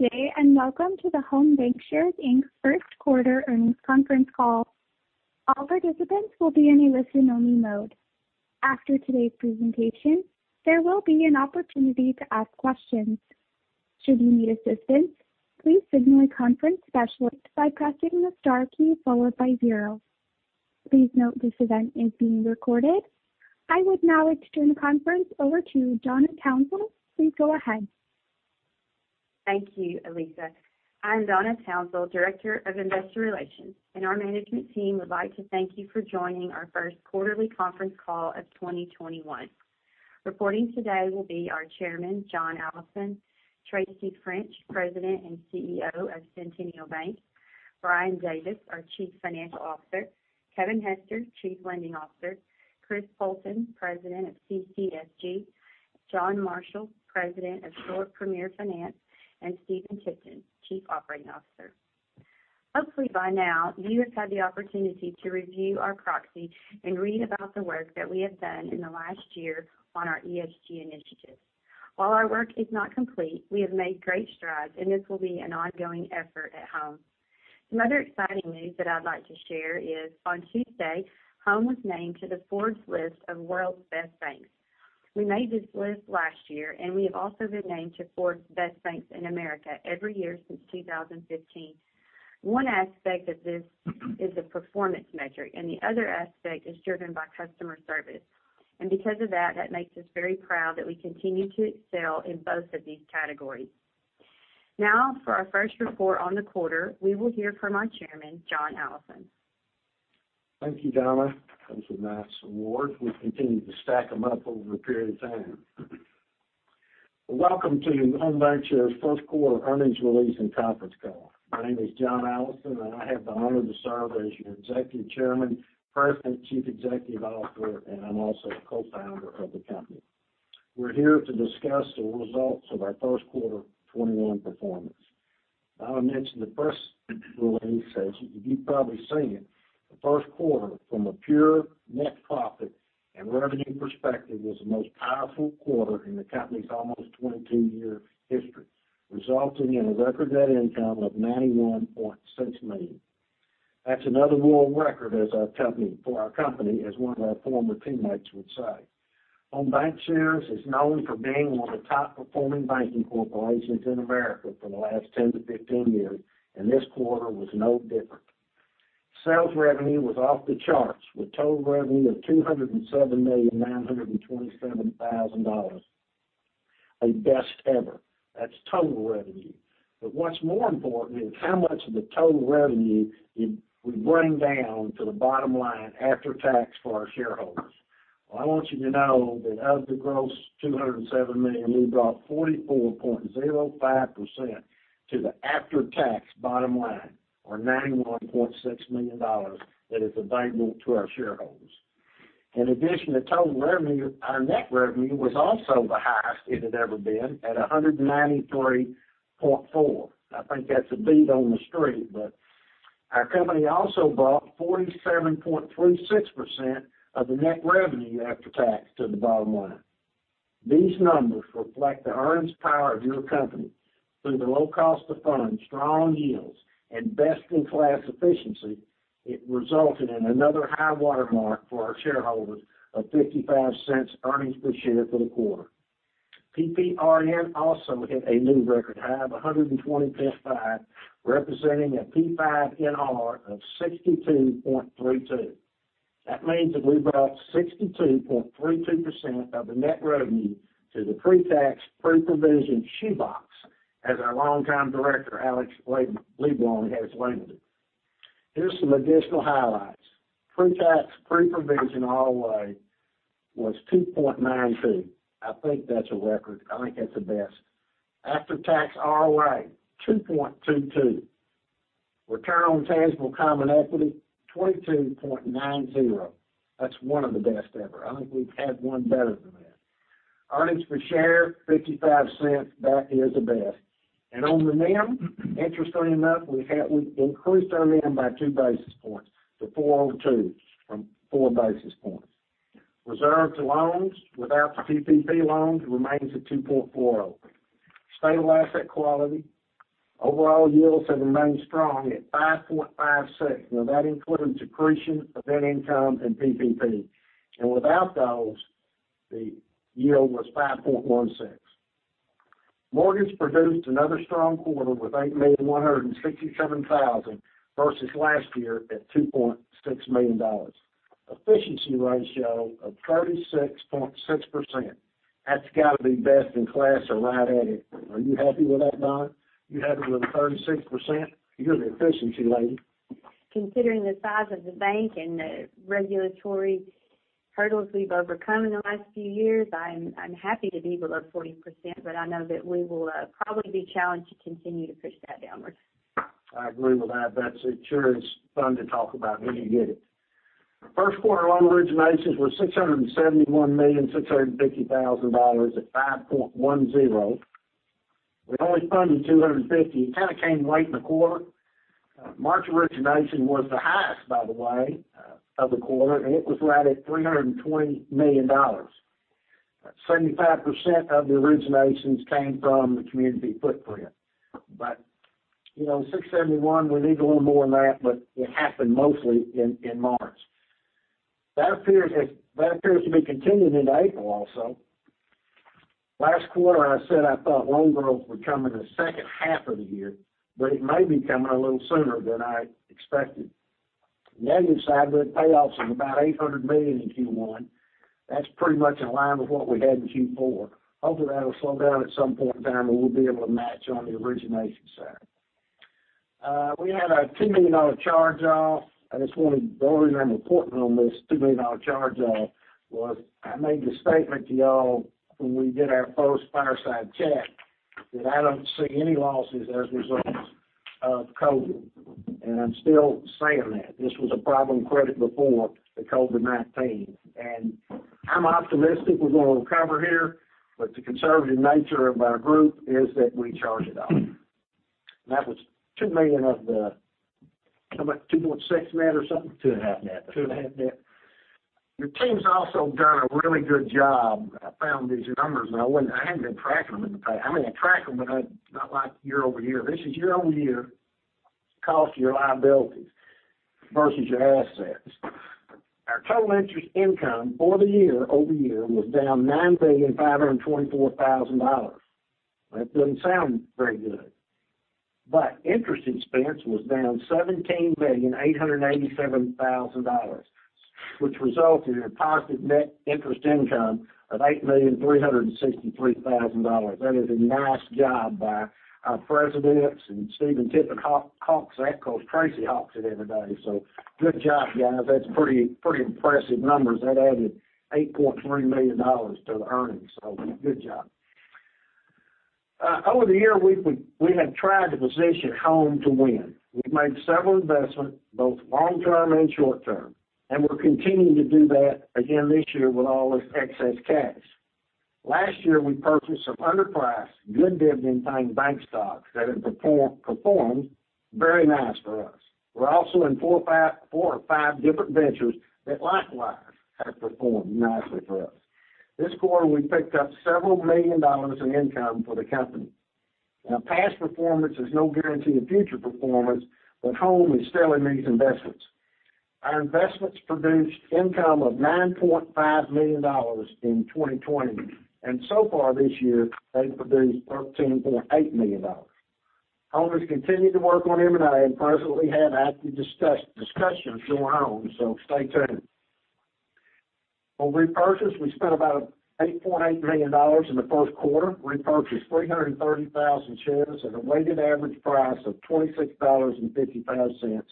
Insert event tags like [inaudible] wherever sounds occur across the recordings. Good day, and welcome to the Home BancShares, Inc. First Quarter Earnings Conference Call. All participants will be in a listen-only mode. After today's presentation, there will be an opportunity to ask questions. Should you need assistance, please signal a conference specialist by pressing the star key followed by zero. Please note this event is being recorded. I would now like to turn the conference over to Donna Townsell. Please go ahead. Thank you, Elisa. I'm Donna Townsell, Director of Investor Relations, and our management team would like to thank you for joining our first quarterly conference call of 2021. Reporting today will be our Chairman, John Allison, Tracy French, President and CEO of Centennial Bank, Brian Davis, our Chief Financial Officer, Kevin Hester, Chief Lending Officer, Chris Poulton, President of CCFG, John Marshall, President of Shore Premier Finance, and Stephen Tipton, Chief Operating Officer. Hopefully by now, you have had the opportunity to review our proxy and read about the work that we have done in the last year on our ESG initiatives. While our work is not complete, we have made great strides, and this will be an ongoing effort at Home. Some other exciting news that I'd like to share is, on Tuesday, Home was named to the Forbes list of World's Best Banks. We made this list last year, and we have also been named to Forbes Best Banks in America every year since 2015. One aspect of this is the performance metric, and the other aspect is driven by customer service. Because of that makes us very proud that we continue to excel in both of these categories. For our first report on the quarter, we will hear from our Chairman, John Allison. Thank you, Donna. That was a nice award. We've continued to stack them up over a period of time. Welcome to Home BancShares first quarter earnings release and conference call. My name is John Allison, and I have the honor to serve as your Executive Chairman, President, Chief Executive Officer, and I'm also a co-founder of the company. We're here to discuss the results of our first quarter 2021 performance. Now, I mentioned the press release says, you've probably seen it, the first quarter, from a pure net profit and revenue perspective, was the most powerful quarter in the company's almost 22 years history, resulting in a record net income of $91.6 million. That's another world record for our company, as one of our former teammates would say. Home BancShares is known for being one of the top performing banking corporations in America for the last 10 to 15 years. This quarter was no different. Sales revenue was off the charts, with total revenue of $207.927 million, a best ever. That's total revenue. What's more important is how much of the total revenue we bring down to the bottom line after tax for our shareholders. Well, I want you to know that of the gross $207 million, we brought 44.05% to the after-tax bottom line, or $91.6 million that is available to our shareholders. In addition to total revenue, our net revenue was also the highest it had ever been at $193.4. I think that's a beat on the street. Our company also brought 47.36% of the net revenue after tax to the bottom line. These numbers reflect the earnings power of your company through the low cost of funds, strong yields, and best-in-class efficiency. It resulted in another high watermark for our shareholders of $0.55 earnings per share for the quarter. PPNR also hit a new record high of 120.5, representing a PPNR of 62.32. That means that we brought 62.32% of the net revenue to the pre-tax, pre-provision shoe box, as our longtime director, Alex Dillard, has labeled it. Here's some additional highlights. Pre-tax, pre-provision ROA was 2.92. I think that's a record. I think that's the best. After-tax ROA, 2.22. Return on tangible common equity, 22.90. That's one of the best ever. I think we've had one better than that. Earnings per share, $0.55. That is the best. On the NIM, interestingly enough, we increased our NIM by two basis points to 402 from four basis points. Reserve to loans without the PPP loans remains at 2.40. Stable asset quality. Overall yields have remained strong at 5.56. That includes accretion of net income and PPP. Without those, the yield was 5.16. Mortgage produced another strong quarter with $8,167,000 versus last year at $2.6 million. Efficiency ratio of 36.6%. That's got to be best in class or right at it. Are you happy with that, Donna? You happy with the 36%? You're the efficiency lady. Considering the size of the bank and the regulatory hurdles we've overcome in the last few years, I'm happy to be below 40%, but I know that we will probably be challenged to continue to push that downwards. I agree with that. That sure is fun to talk about when you get it. First quarter loan originations were $671.65 million at 5.10%. We only funded $250. It kind of came late in the quarter. March origination was the highest, by the way, of the quarter. It was right at $320 million. 75% of the originations came from the community footprint. $671 million, we need a little more than that, but it happened mostly in March. That appears to be continuing into April also. Last quarter, I said I thought loan growth would come in the second half of the year, but it may be coming a little sooner than I expected. On the negative side, with payoffs of about $800 million in Q1, that's pretty much in line with what we had in Q4. Hopefully, that'll slow down at some point in time, and we'll be able to match on the origination side. We had a $2 million charge-off. I just want to go over the important on this $2 million charge-off, was I made the statement to you all when we did our first fireside chat, that I don't see any losses as a result of COVID-19. I'm still saying that. This was a problem credit before the COVID-19. I'm optimistic we're going to recover here, but the conservative nature of our group is that we charge it off. That was $2 million of the How much? $2.6 million or something? Two and a half net. Two and a half net. Your team's also done a really good job. I found these numbers, and I hadn't been tracking them in the past. I track them, not like year-over-year. This is year-over-year cost of your liabilities versus your assets. Our total interest income for the year-over-year was down $9,524,000. That doesn't sound very good. Interest expense was down $17.887 million, which resulted in a positive net interest income of $8.363 million. That is a nice job by our presidents and Stephen Tipton, hawks that, because Tracy hawks it every day. Good job, guys. That's pretty impressive numbers. That added $8.3 million to the earnings. Good job. Over the year, we have tried to position Home to win. We've made several investments, both long-term and short-term, and we're continuing to do that again this year with all this excess cash. Last year, we purchased some underpriced, good dividend-paying bank stocks that have performed very nicely for us. We're also in four or five different ventures that likewise have performed nicely for us. This quarter, we picked up several million dollars in income for the company. Past performance is no guarantee of future performance. Home is still in these investments. Our investments produced income of $9.5 million in 2020. So far this year, they've produced $13.8 million. Home has continued to work on M&A and presently have active discussions going on. Stay tuned. On repurchase, we spent about $8.8 million in the first quarter, repurchased 330,000 shares at a weighted average price of $26.55. We're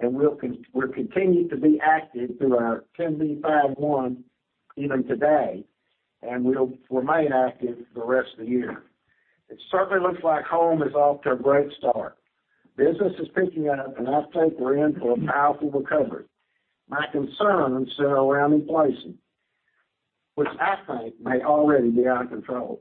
continuing to be active through our 10b5-1 even today. We'll remain active for the rest of the year. It certainly looks like Home is off to a great start. Business is picking up, and I think we're in for a powerful recovery. My concerns center around inflation, which I think may already be out of control.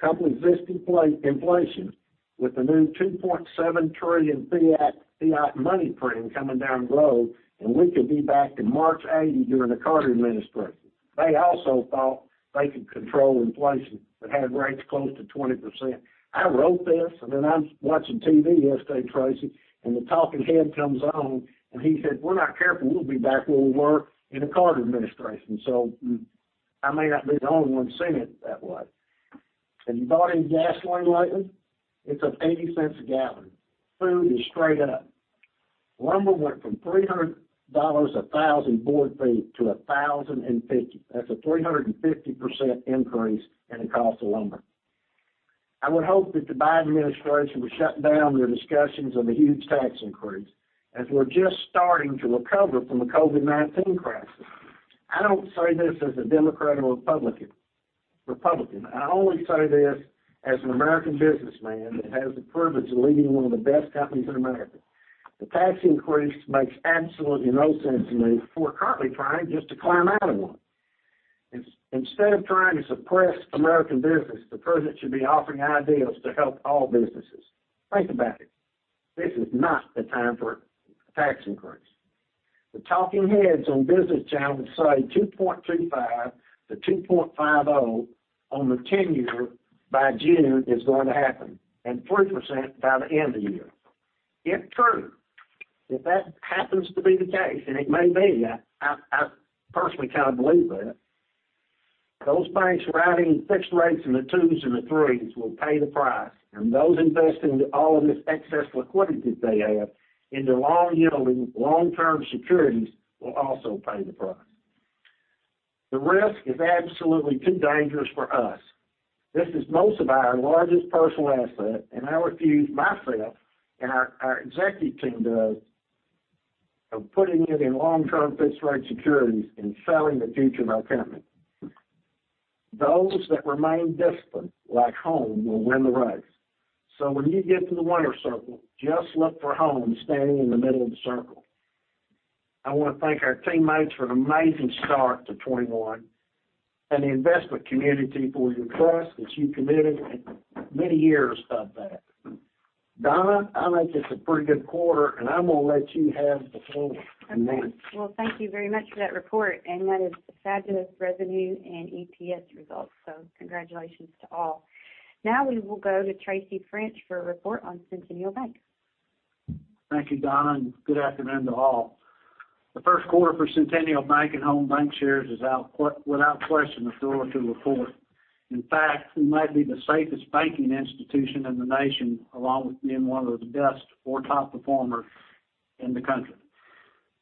Couple existing inflation with the new $2.7 trillion fiat money printing coming down the road, and we could be back to March 1980 during the Carter administration. They also thought they could control inflation but had rates close to 20%. I wrote this, and then I was watching TV yesterday, Tracy, and the talking head comes on, and he said, "If we're not careful, we'll be back where we were in the Carter administration." I may not be the only one seeing it that way. Have you bought any gasoline lately? It's up $0.80 a gallon. Food is straight up. Lumber went from $300 a thousand board feet to $1,050. That's a 350% increase in the cost of lumber. I would hope that the Biden administration would shut down their discussions of a huge tax increase, as we're just starting to recover from the COVID-19 crisis. I don't say this as a Democrat or Republican. I only say this as an American businessman that has the privilege of leading one of the best companies in America. The tax increase makes absolutely no sense to me, for we're currently trying just to climb out of one. Instead of trying to suppress American business, the president should be offering ideas to help all businesses. Think about it. This is not the time for a tax increase. The talking heads on Business Channel say 2.25%-2.50% on the 10 years by June is going to happen, and 3% by the end of the year. If true, if that happens to be the case, and it may be, I personally kind of believe that, those banks riding fixed rates in the twos and the threes will pay the price, and those investing all of this excess liquidity they have into long-yielding, long-term securities will also pay the price. The risk is absolutely too dangerous for us. This is most of our largest personal asset, and I refuse, myself and our executive team does, of putting it in long-term fixed rate securities and selling the future of our company. Those that remain disciplined, like Home, will win the race. When you get to the winner's circle, just look for Home standing in the middle of the circle. I want to thank our teammates for an amazing start to 2021, and the investment community for your trust that you've committed, and many years of that. Donna, I think it's a pretty good quarter, and I'm going to let you have the floor. Okay. Well, thank you very much for that report. That is fabulous revenue and EPS results. Congratulations to all. Now we will go to Tracy French for a report on Centennial Bank. Thank you, Donna, and good afternoon to all. The first quarter for Centennial Bank and Home BancShares is without question a thrill-or-two report. In fact, we might be the safest banking institution in the nation, along with being one of the best or top performers in the country.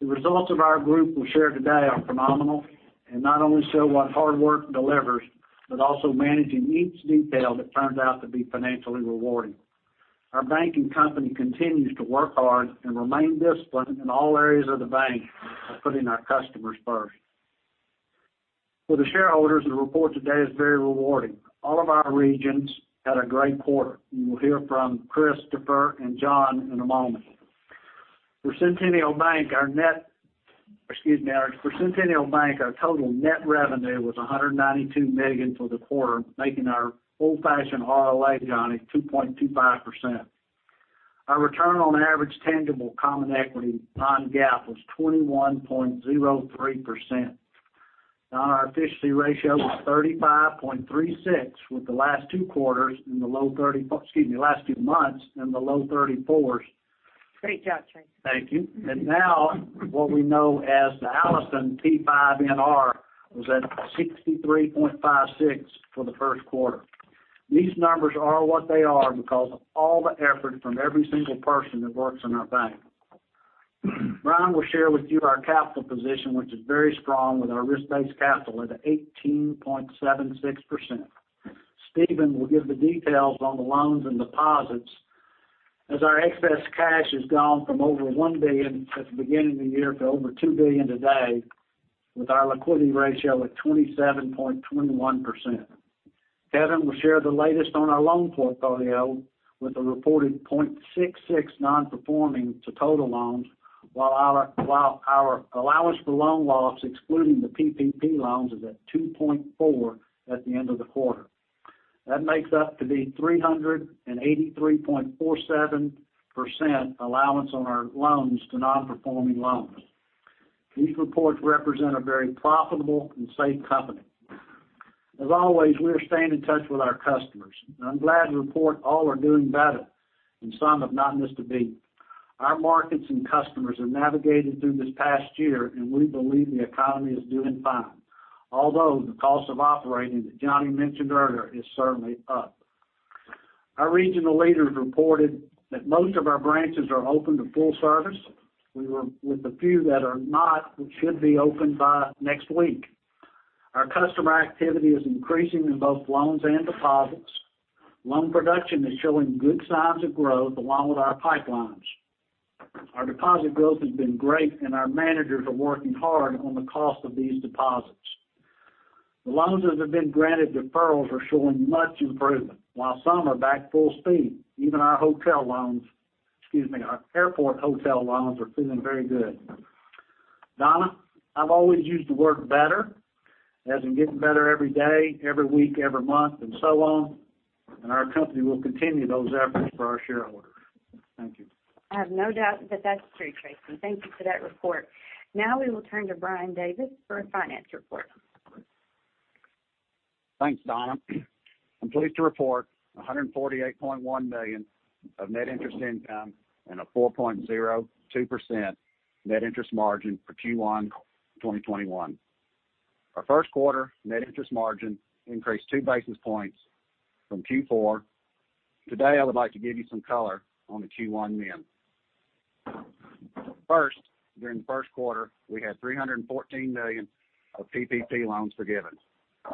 The results of our group we share today are phenomenal and not only show what hard work delivers, but also managing each detail that turns out to be financially rewarding. Our banking company continues to work hard and remain disciplined in all areas of the bank by putting our customers first. For the shareholders, the report today is very rewarding. All of our regions had a great quarter, and you will hear from Christopher and John in a moment. For Centennial Bank, our total net revenue was $192 million for the quarter, making our old-fashioned ROA, Johnny, 2.25%. Our return on average tangible common equity non-GAAP was 21.03%. Donna, our efficiency ratio was 35.36%, with the last two months in the low 34%s. Great job, Tracy. Thank you. Now what we know as the Allison PPNR was at 63.56 for the first quarter. These numbers are what they are because of all the effort from every single person that works in our bank. Brian will share with you our capital position, which is very strong with our risk-based capital at 18.76%. Stephen will give the details on the loans and deposits as our excess cash has gone from over $1 billion at the beginning of the year to over $2 billion today, with our liquidity ratio at 27.21%. Kevin will share the latest on our loan portfolio with a reported 0.66 non-performing to total loans, while our allowance for loan loss, excluding the PPP loans, is at 2.4 at the end of the quarter. That makes up to be 383.47% allowance on our loans to non-performing loans. These reports represent a very profitable and safe company. As always, we are staying in touch with our customers, and I'm glad to report all are doing better and some have not missed a beat. Our markets and customers have navigated through this past year, and we believe the economy is doing fine. Although the cost of operating that John mentioned earlier is certainly up. Our regional leaders reported that most of our branches are open to full service. With the few that are not, which should be open by next week. Our customer activity is increasing in both loans and deposits. Loan production is showing good signs of growth along with our pipelines. Our deposit growth has been great, and our managers are working hard on the cost of these deposits. The loans that have been granted deferrals are showing much improvement, while some are back full speed. Even our airport hotel loans are feeling very good. Donna, I've always used the word better, as in getting better every day, every week, everymonth, and so on, and our company will continue those efforts for our shareholders. Thank you. I have no doubt that that's true, Tracy. Thank you for that report. We will turn to Brian Davis for a finance report. Thanks, Donna. I'm pleased to report $148.1 million of net interest income and a 4.02% net interest margin for Q1 2021. Our first quarter net interest margin increased two basis points from Q4. Today, I would like to give you some color on the Q1 NIM. First, during the first quarter, we had $314 million of PPP loans forgiven.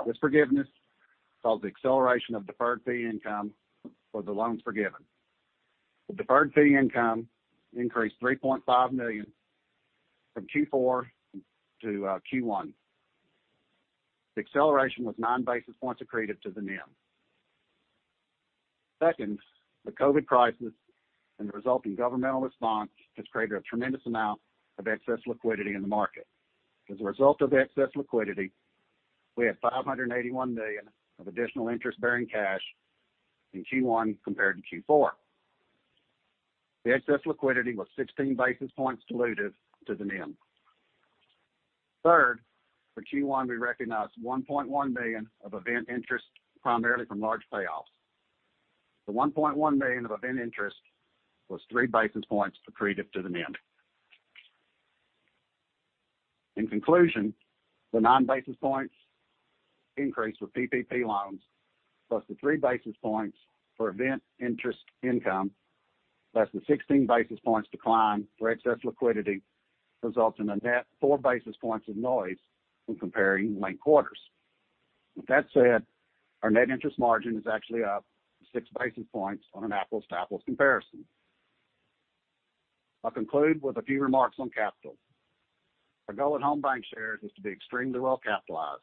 This forgiveness caused the acceleration of deferred fee income for the loans forgiven. The deferred fee income increased $3.5 million from Q4 to Q1. The acceleration was nine basis points accretive to the NIM. Second, the COVID crisis and the resulting governmental response has created a tremendous amount of excess liquidity in the market. As a result of excess liquidity, we had $581 million of additional interest-bearing cash in Q1 compared to Q4. The excess liquidity was 16 basis points dilutive to the NIM. For Q1, we recognized $1.1 million of event interest, primarily from large payoffs. The $1.1 million of event interest was three basis points accretive to the NIM. The nine basis points increase for PPP loans, plus the three basis points for event interest income, less the 16 basis points decline for excess liquidity, results in a net four basis points of noise when comparing linked quarters. Our net interest margin is actually up six basis points on an apples-to-apples comparison. I'll conclude with a few remarks on capital. Our goal at Home BancShares is to be extremely well-capitalized.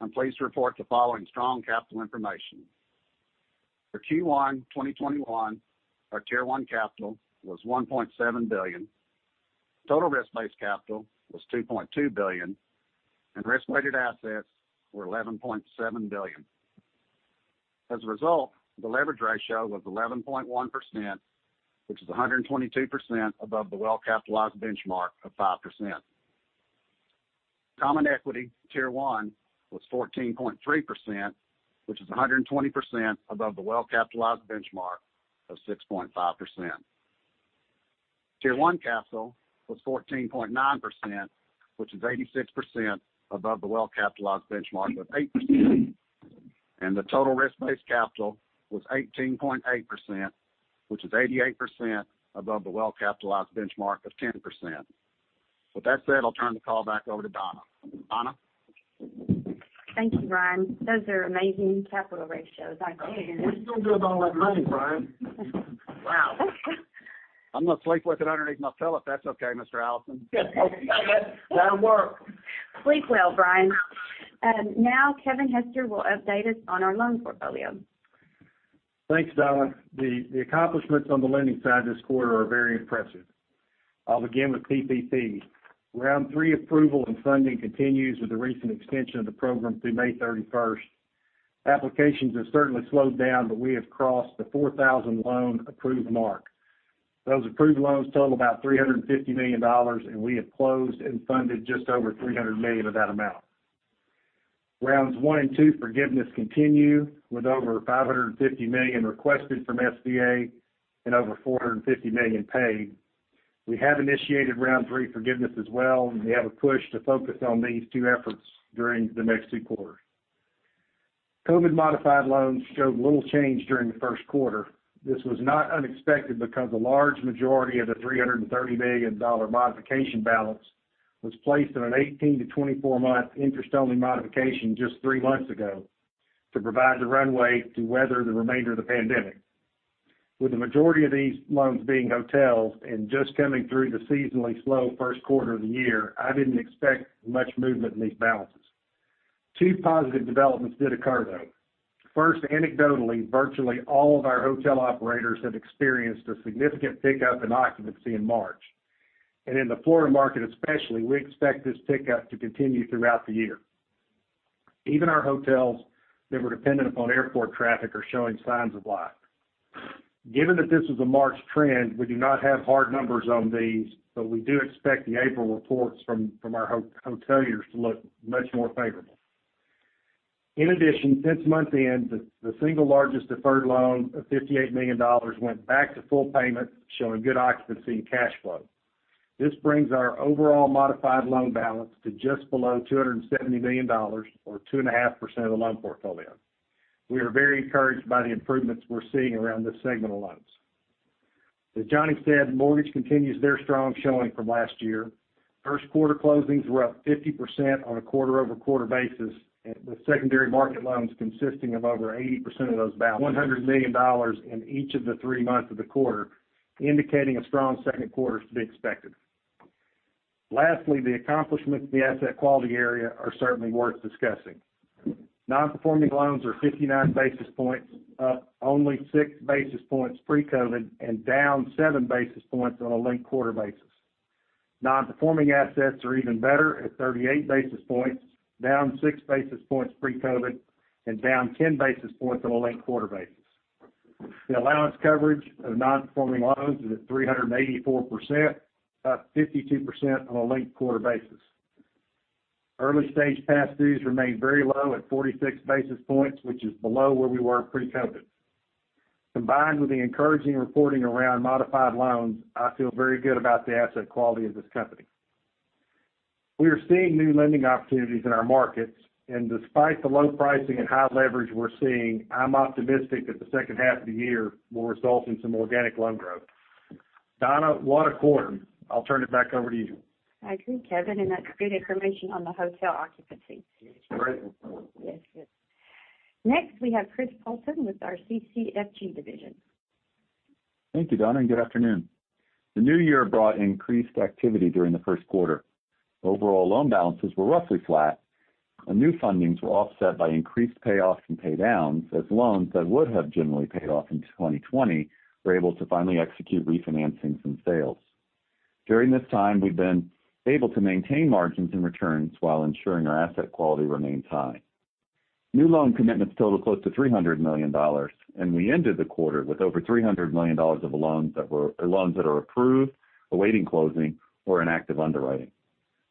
I'm pleased to report the following strong capital information. For Q1 2021, our Tier 1 capital was $1.7 billion. Total risk-based capital was $2.2 billion and risk-weighted assets were $11.7 billion. As a result, the leverage ratio was 11.1%, which is 122% above the well-capitalized benchmark of 5%. Common equity Tier 1 was 14.3%, which is 120% above the well-capitalized benchmark of 6.5%. Tier 1 capital was 14.9%, which is 86% above the well-capitalized benchmark of 8%. The total risk-based capital was 18.8%, which is 88% above the well-capitalized benchmark of 10%. With that said, I'll turn the call back over to Donna. Donna? Thank you, Brian. Those are amazing capital ratios. Where'd you get all that money, Brian? Wow. I'm going to sleep with it underneath my pillow, if that's okay, Mr. Allison. That'll work. Sleep well, Brian. Kevin Hester will update us on our loan portfolio. Thanks, Donna. The accomplishments on the lending side this quarter are very impressive. I'll begin with PPP. Round three approval and funding continues with the recent extension of the program through May 31st. Applications have certainly slowed down, but we have crossed the 4,000 loan approved mark. Those approved loans total about $350 million, and we have closed and funded just over $300 million of that amount. Rounds one and two forgiveness continue, with over $550 million requested from SBA and over $450 million paid. We have initiated round three forgiveness as well, and we have a push to focus on these two efforts during the next two quarters. COVID modified loans showed little change during the first quarter. This was not unexpected because a large majority of the $330 million modification balance was placed in an 18 to 24 month interest-only modification just three months ago to provide the runway to weather the remainder of the pandemic. With the majority of these loans being hotels and just coming through the seasonally slow first quarter of the year, I didn't expect much movement in these balances. Two positive developments did occur, though. First, anecdotally, virtually all of our hotel operators have experienced a significant pickup in occupancy in March. In the Florida market especially, we expect this pickup to continue throughout the year. Even our hotels that were dependent upon airport traffic are showing signs of life. Given that this was a March trend, we do not have hard numbers on these, but we do expect the April reports from our hoteliers to look much more favorable. In addition, since month-end, the single largest deferred loan of $58 million went back to full payment, showing good occupancy and cash flow. This brings our overall modified loan balance to just below $270 million, or 2.5% of the loan portfolio. We are very encouraged by the improvements we're seeing around this segment of loans. As Johnny said, mortgage continues their strong showing from last year. First quarter closings were up 50% on a quarter-over-quarter basis, and the secondary market loans consisting of over 80% of those balances, $100 million in each of the three months of the quarter, indicating a strong second quarter is to be expected. Lastly, the accomplishments in the asset quality area are certainly worth discussing. Non-performing loans are 59 basis points, up only six basis points pre-COVID-19, and down seven basis points on a linked quarter basis. Non-performing assets are even better at 38 basis points, down six basis points pre-COVID, and down 10 basis points on a linked quarter basis. The allowance coverage of non-performing loans is at 384%, up 52% on a linked quarter basis. Early stage past dues remain very low at 46 basis points, which is below where we were pre-COVID. Combined with the encouraging reporting around modified loans, I feel very good about the asset quality of this company. We are seeing new lending opportunities in our markets, and despite the low pricing and high leverage we're seeing, I'm optimistic that the second half of the year will result in some organic loan growth. Donna, what a quarter. I'll turn it back over to you. I agree, Kevin, and that's good information on the hotel occupancy. Great. Yes. Good. Next, we have Chris Poulton with our CCFG division. Thank you, Donna. Good afternoon. The new year brought increased activity during the first quarter. Overall loan balances were roughly flat, and new fundings were offset by increased payoffs and pay downs as loans that would have generally paid off into 2020 were able to finally execute refinancing some sales. During this time, we've been able to maintain margins and returns while ensuring our asset quality remains high. New loan commitments total close to $300 million, and we ended the quarter with over $300 million of loans that are approved, awaiting closing, or in active underwriting.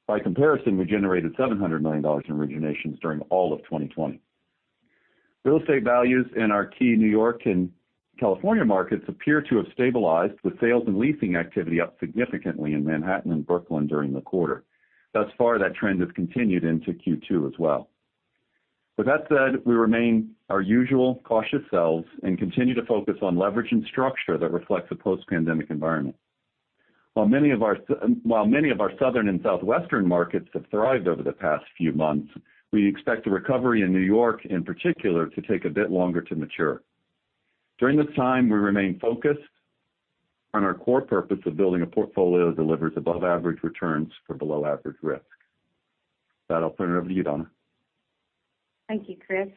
By comparison, we generated $700 million in originations during all of 2020. Real estate values in our key New York and California markets appear to have stabilized, with sales and leasing activity up significantly in Manhattan and Brooklyn during the quarter. Thus far, that trend has continued into Q2 as well. With that said, we remain our usual cautious selves and continue to focus on leverage and structure that reflects a post-pandemic environment. While many of our southern and southwestern markets have thrived over the past few months, we expect the recovery in New York in particular to take a bit longer to mature. During this time, we remain focused on our core purpose of building a portfolio that delivers above average returns for below average risk. That, I'll turn it over to you, Donna. Thank you, Chris.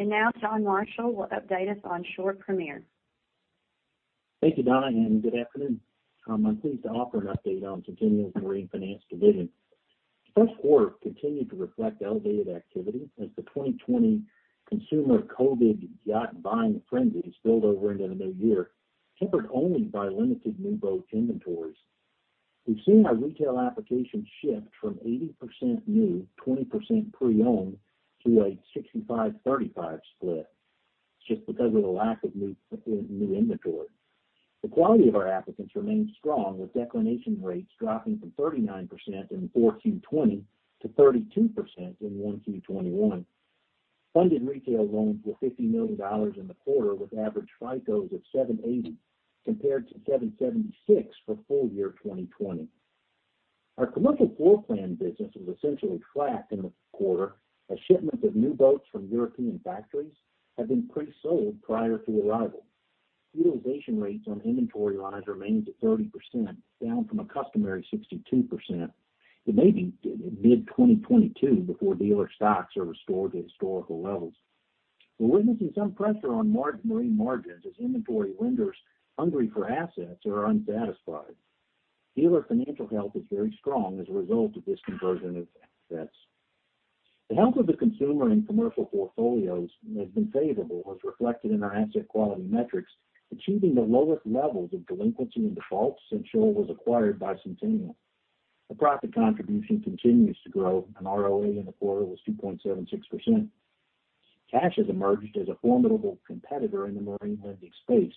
Now John Marshall will update us on Shore Premier. Thank you, Donna, and good afternoon. I'm pleased to offer an update on Centennial's marine finance division. The first quarter continued to reflect elevated activity as the 2020 consumer COVID yacht-buying frenzy spilled over into the new year, tempered only by limited new boat inventories. We've seen our retail applications shift from 80% new, 20% pre-owned to a 65/35 split just because of the lack of new inventory. The quality of our applicants remains strong, with declination rates dropping from 39% in 4Q 2020 to 32% in 1Q 2021. Funded retail loans were $50 million in the quarter, with average FICOs of 780, compared to 776 for full-year 2020. Our commercial floor plan business was essentially flat in the quarter, as shipments of new boats from European factories have been pre-sold prior to arrival. Utilization rates on inventory lines remained at 30%, down from a customary 62%. It may be mid-2022 before dealer stocks are restored to historical levels. We're witnessing some pressure on marine margins as inventory lenders hungry for assets are unsatisfied. Dealer financial health is very strong as a result of this conversion of assets. The health of the consumer and commercial portfolios has been favorable, as reflected in our asset quality metrics, achieving the lowest levels of delinquency and defaults since Shore was acquired by Centennial. The profit contribution continues to grow, and ROA in the quarter was 2.76%. Cash has emerged as a formidable competitor in the marine lending space.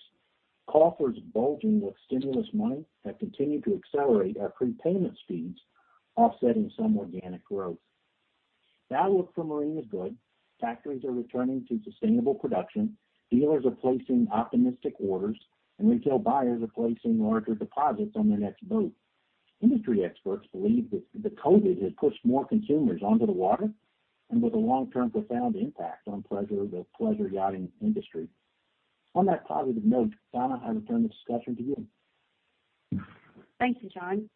Coffers bulging with stimulus money have continued to accelerate our prepayment speeds, offsetting some organic growth. The outlook for marine is good. Factories are returning to sustainable production. Dealers are placing optimistic orders, and retail buyers are placing larger deposits on their next boat. Industry experts believe that the COVID has pushed more consumers onto the water and with a long-term profound impact on the pleasure yachting industry. On that positive note, Donna, I return the discussion to you. Thank you, John.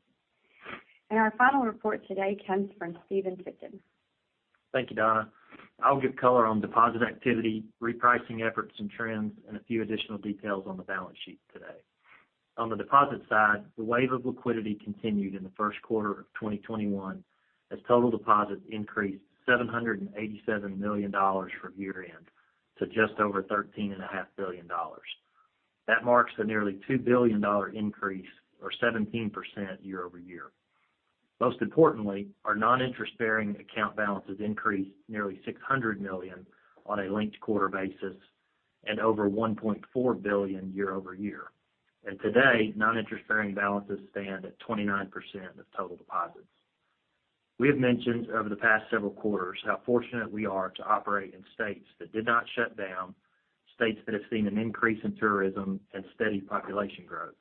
Our final report today comes from Stephen Tipton. Thank you, Donna. I'll give color on deposit activity, repricing efforts and trends, and a few additional details on the balance sheet today. On the deposit side, the wave of liquidity continued in the first quarter of 2021, as total deposits increased $787 million from year-end to just over $13.5 billion. That marks the nearly $2 billion increase or 17% year-over-year. Most importantly, our non-interest-bearing account balances increased nearly $600 million on a linked quarter basis and over $1.4 billion year-over-year. Today, non-interest-bearing balances stand at 29% of total deposits. We have mentioned over the past several quarters how fortunate we are to operate in states that did not shut down, states that have seen an increase in tourism and steady population growth.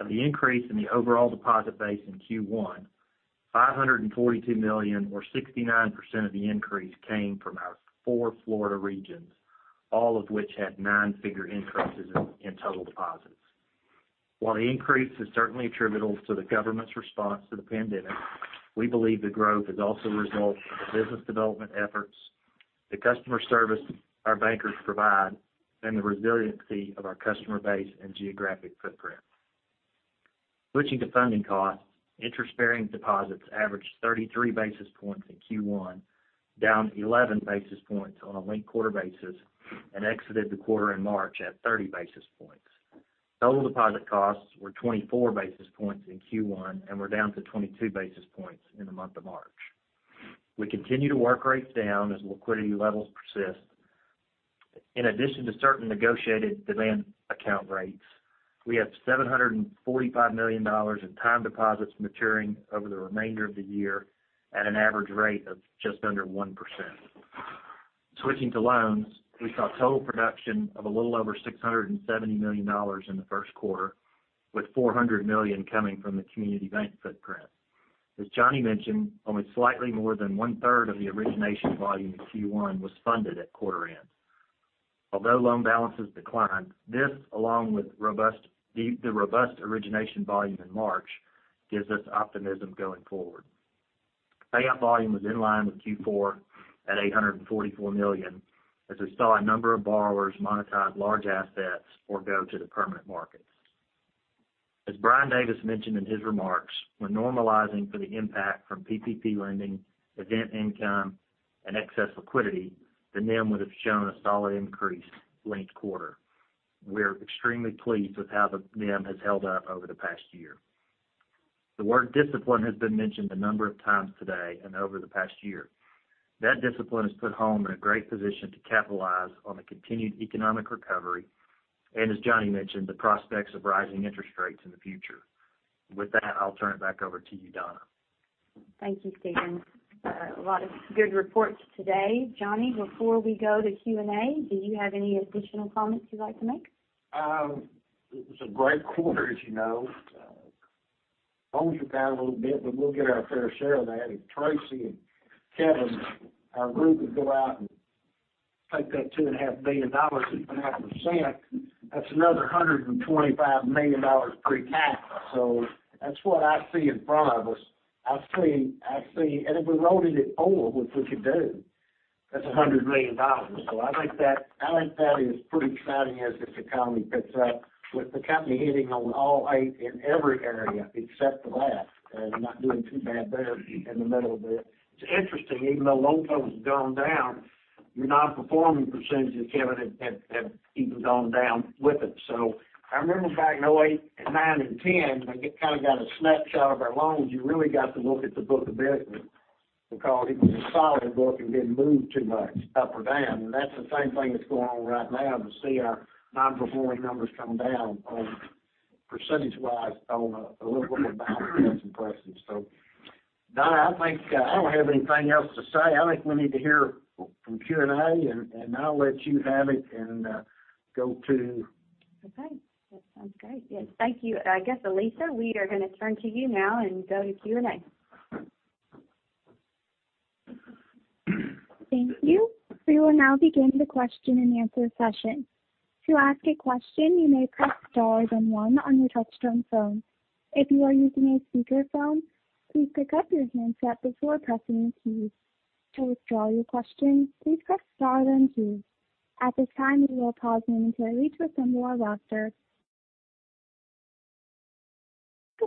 Of the increase in the overall deposit base in Q1, $542 million or 69% of the increase came from our four Florida regions, all of which had nine-figure increases in total deposits. While the increase is certainly attributable to the government's response to the pandemic, we believe the growth is also a result of the business development efforts, the customer service our bankers provide, and the resiliency of our customer base and geographic footprint. Switching to funding costs, interest-bearing deposits averaged 33 basis points in Q1, down 11 basis points on a linked quarter basis and exited the quarter in March at 30 basis points. Total deposit costs were 24 basis points in Q1 and were down to 22 basis points in the month of March. We continue to work rates down as liquidity levels persist. In addition to certain negotiated demand account rates, we have $745 million in time deposits maturing over the remainder of the year at an average rate of just under 1%. Switching to loans, we saw total production of a little over $670 million in the first quarter, with $400 million coming from the community bank footprint. As John mentioned, only slightly more than one-third of the origination volume in Q1 was funded at quarter end. Although loan balances declined, this along with the robust origination volume in March gives us optimism going forward. Payoff volume was in line with Q4 at $844 million, as we saw a number of borrowers monetize large assets or go to the permanent markets. As Brian Davis mentioned in his remarks, we're normalizing for the impact from PPP lending, event income, and excess liquidity, the NIM would have shown a solid increase linked quarter. We're extremely pleased with how the NIM has held up over the past year. The word discipline has been mentioned a number of times today and over the past year. That discipline has put Home in a great position to capitalize on the continued economic recovery and, as John mentioned, the prospects of rising interest rates in the future. With that, I'll turn it back over to you, Donna. Thank you, Stephen. A lot of good reports today. John, before we go to Q&A, do you have any additional comments you'd like to make? It was a great quarter, as you know. Loans are down a little bit, we'll get our fair share of that. Tracy and Kevin, our group would go out and Take that $2.5 billion, 2.5%, that's another $125 million pre-tax. That's what I see in front of us. If we loaded it all, which we could do, that's $100 million. I think that is pretty exciting as this economy picks up, with the company hitting on all eight in every area except for that, and not doing too bad there in the middle of it. It's interesting, even though loan growth has gone down, your non-performing percentages, Kevin, have even gone down with it. I remember back in 2008 and 2009 and 2010, when it kind of got a snapshot of our loans, you really got to look at the book of business because it was a solid book and didn't move too much up or down. That's the same thing that's going on right now, to see our non-performing numbers come down percentage-wise on a little book of business. That's impressive. Donna, I don't have anything else to say. I think we need to hear from Q&A, and I'll let you have it. Okay. That sounds great. Yes, thank you. I guess, Elisa, we are going to turn to you now and go to Q&A. Thank you. We will now begin the question-and-answer session. The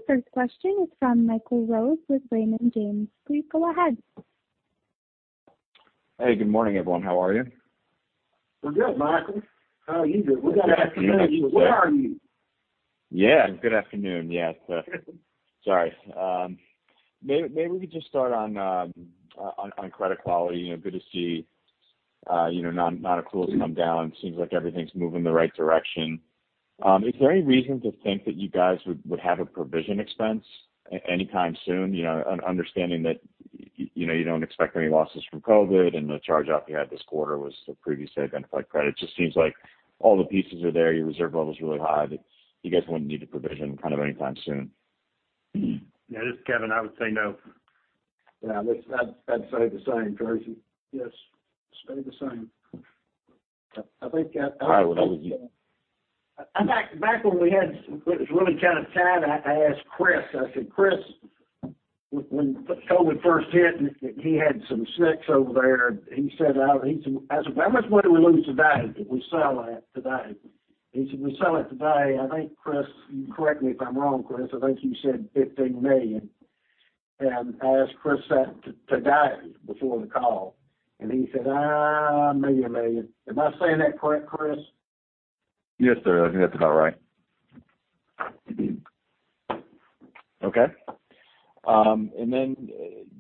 first question is from Michael Rose with Raymond James. Please go ahead. Hey, good morning, everyone. How are you? We're good, Michael. How are you doing? Good afternoon, actually. Where are you? Yeah. Good afternoon. Yes. Sorry. Maybe we could just start on credit quality. Good to see non-accruals come down. Seems like everything's moving in the right direction. Is there any reason to think that you guys would have a provision expense anytime soon? Understanding that you don't expect any losses from COVID and the charge-off you had this quarter was the previously identified credit. Just seems like all the pieces are there. Your reserve level's really high, that you guys wouldn't need to provision anytime soon. Yeah, this is Kevin. I would say no. Yeah, I'd say the same, Tracy. Yes. Stay the same. All right. Well, Back when it was really kind of tight, I asked Chris, I said, "Chris," when COVID first hit, and he had some SNCs over there, I said, "How much money we lose today if we sell it today?" He said, "We sell it today," I think, Chris, you correct me if I'm wrong, Chris, I think you said $15 million. I asked Chris that today, before the call, and he said, "Maybe $1 million." Am I saying that correct, Chris? Yes, sir. I think that's about right. Okay.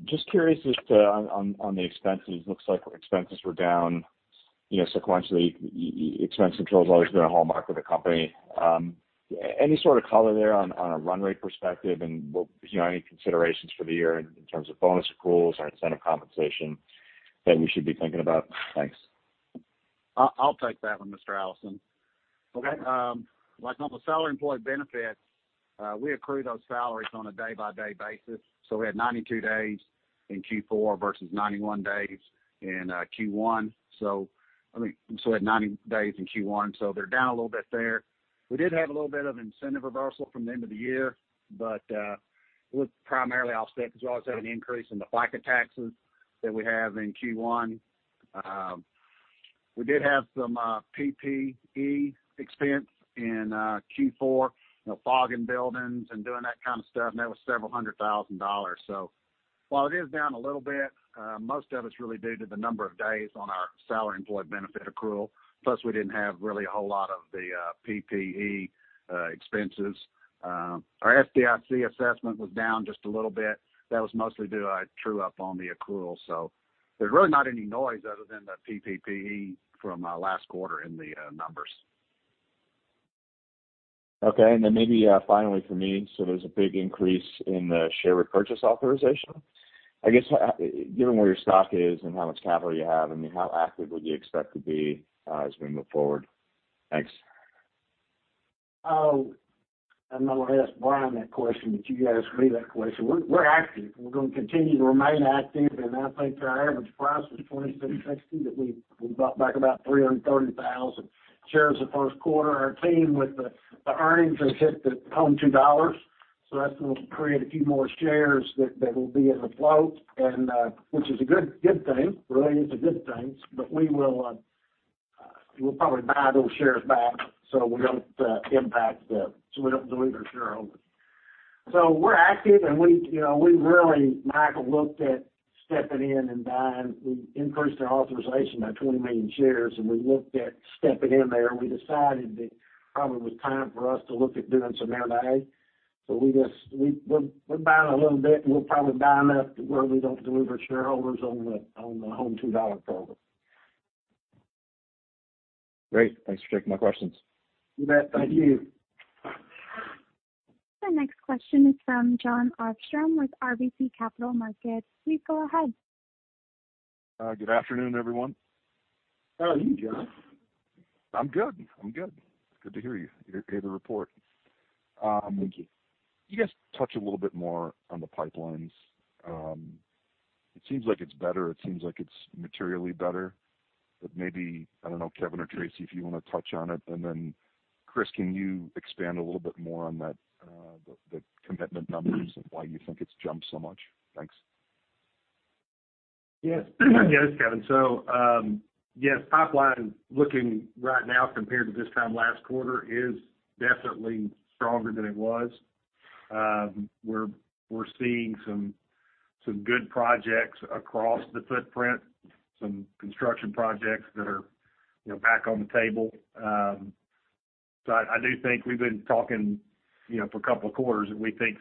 Just curious as to, on the expenses, looks like expenses were down sequentially. Expense control's always been a hallmark with the company. Any sort of color there on a run rate perspective and any considerations for the year in terms of bonus accruals or incentive compensation that we should be thinking about? Thanks. I'll take that one, Mr. Allison. Okay. Like on the salary employee benefit, we accrue those salaries on a day-by-day basis. We had 92 days in Q4 versus 91 days in Q1. I mean, we had 90 days in Q1, they're down a little bit there. We did have a little bit of incentive reversal from the end of the year, it was primarily offset because we always had an increase in the FICA taxes that we have in Q1. We did have some PPE expense in Q4, fogging buildings and doing that kind of stuff, that was several hundred thousand dollars. While it is down a little bit, most of it's really due to the number of days on our salary employee benefit accrual. Plus, we didn't have really a whole lot of the PPE expenses. Our FDIC assessment was down just a little bit. That was mostly due to true-up on the accrual. There's really not any noise other than the PPE from last quarter in the numbers. Okay. Maybe finally from me, there's a big increase in the share repurchase authorization. I guess, given where your stock is and how much capital you have, how active would you expect to be as we move forward? Thanks. Oh, I know I asked Brian that question, but you asked me that question. We're active. We're going to continue to remain active, and I think our average price was $27.60, but we bought back about 330,000 shares the first quarter. Our team, with the earnings, have hit the Home Run, so that's going to create a few more shares that will be in the float, which is a good thing. Related to good things. We'll probably buy those shares back so we don't dilute our shareholders. We're active, and we really, Michael, looked at stepping in and buying. We increased our authorization by 20 million shares, and we looked at stepping in there. We decided that probably was time for us to look at doing some M&A. We're buying a little bit, and we'll probably buy enough to where we don't dilute our shareholders on the Home Run program. Great. Thanks for taking my questions. You bet. Thank you. The next question is from Jon Arfstrom with RBC Capital Markets. Please go ahead. Good afternoon, everyone. How are you, Jon? I'm good. Good to hear you. You gave the report. Thank you. Can you guys touch a little bit more on the pipelines? It seems like it's better. It seems like it's materially better. Maybe, I don't know, Kevin or Tracy, if you want to touch on it, and then Chris, can you expand a little bit more on the commitment numbers and why you think it's jumped so much? Thanks. Yes. Yeah, this is Kevin. Yes, pipeline looking right now compared to this time last quarter is definitely stronger than it was. We're seeing some good projects across the footprint, some construction projects that are back on the table. I do think we've been talking for a couple of quarters, and we think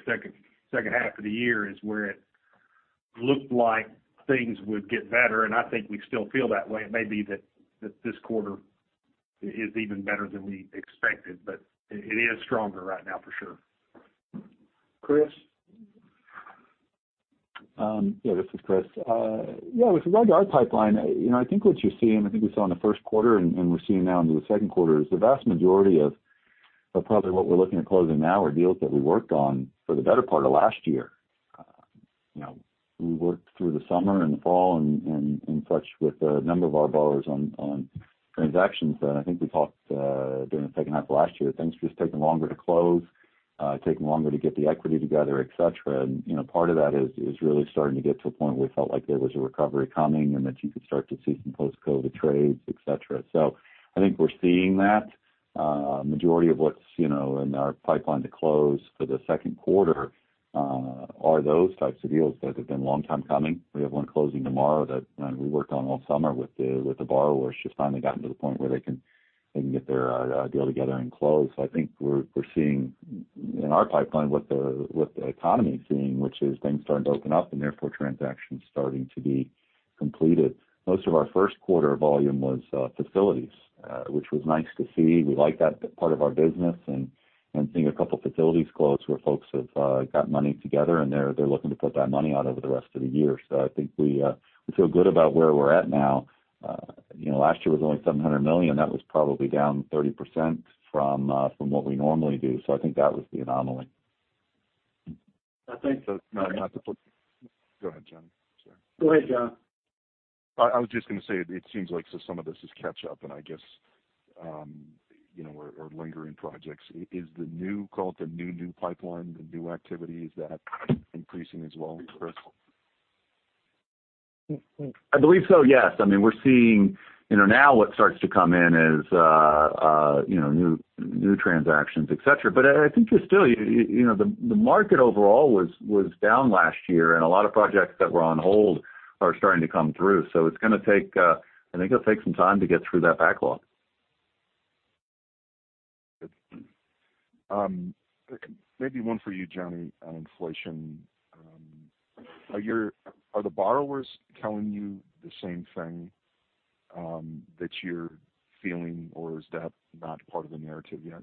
second half of the year is where it looked like things would get better, and I think we still feel that way. It may be that this quarter is even better than we expected, but it is stronger right now for sure. Chris? Yeah, this is Chris. With regard to our pipeline, I think what you're seeing, I think we saw in the first quarter and we're seeing now into the second quarter, is the vast majority of probably what we're looking at closing now are deals that we worked on for the better part of last year. We worked through the summer and the fall and touched with a number of our borrowers on transactions. I think we talked during the second half of last year, things were just taking longer to close, taking longer to get the equity together, et cetera. Part of that is really starting to get to a point where we felt like there was a recovery coming and that you could start to see some post-COVID trades, et cetera. I think we're seeing that. Majority of what's in our pipeline to close for the second quarter are those types of deals that have been a long time coming. We have one closing tomorrow that we worked on all summer with the borrower. It's just finally gotten to the point where they can get their deal together and close. I think we're seeing in our pipeline what the economy is seeing, which is things starting to open up and therefore transactions starting to be completed. Most of our first quarter volume was facilities, which was nice to see. We like that part of our business, and seeing a couple facilities close where folks have got money together, and they're looking to put that money out over the rest of the year. I think we feel good about where we're at now. Last year was only $700 million. That was probably down 30% from what we normally do. I think that was the anomaly. I think that Go ahead, John. Sorry. Go ahead, Jon. I was just going to say, it seems like some of this is catch up, and I guess, or lingering projects. Is the new, call it the new pipeline, the new activity, is that increasing as well, Chris? I believe so, yes. We're seeing now what starts to come in is new transactions, et cetera. I think there's still, the market overall was down last year, and a lot of projects that were on hold are starting to come through. I think it'll take some time to get through that backlog. Good. Maybe one for you, John, on inflation. Are the borrowers telling you the same thing that you're feeling, or is that not part of the narrative yet?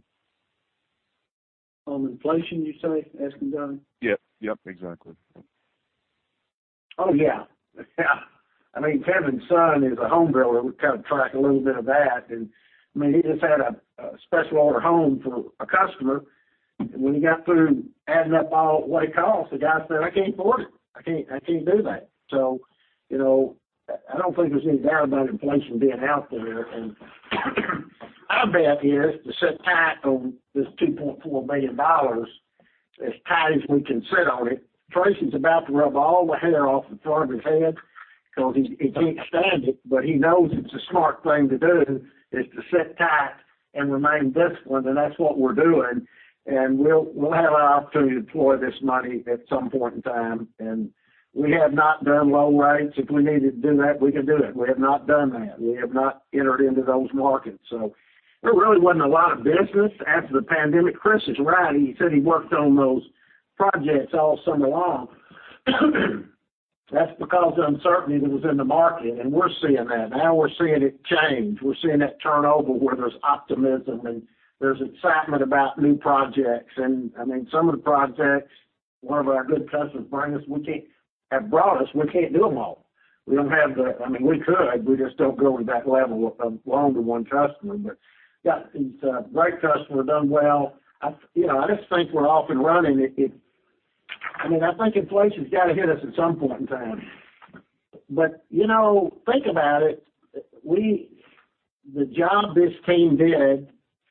On inflation, you say, asking Jon? Yep, exactly. Oh, yeah. Kevin Hester's son is a home builder. We kind of track a little bit of that. He just had a special order home for a customer. When he got through adding up all the costs, the guy said, "I can't afford it. I can't do that." I don't think there's any doubt about inflation being out there, and our bet here is to sit tight on this $2.4 billion as tight as we can sit on it. Tracy French's about to rub all the hair off the front of his head because he can't stand it, but he knows it's a smart thing to do is to sit tight and remain disciplined, and that's what we're doing. We'll have an opportunity to deploy this money at some point in time, and we have not done loan rates. If we needed to do that, we could do it. We have not done that. We have not entered into those markets. There really wasn't a lot of business after the pandemic. Chris is right. He said he worked on those projects all summer long. That's because of uncertainty that was in the market, and we're seeing that. We're seeing it change. We're seeing it turn over where there's optimism, and there's excitement about new projects. Some of the projects, one of our good customers bring us, we can't have brought us, we can't do them all. We could, we just don't go to that level of loan to one customer. Yeah, he's a great customer, done well. I just think we're off and running. I think inflation's got to hit us at some point in time. Think about it. The job this team did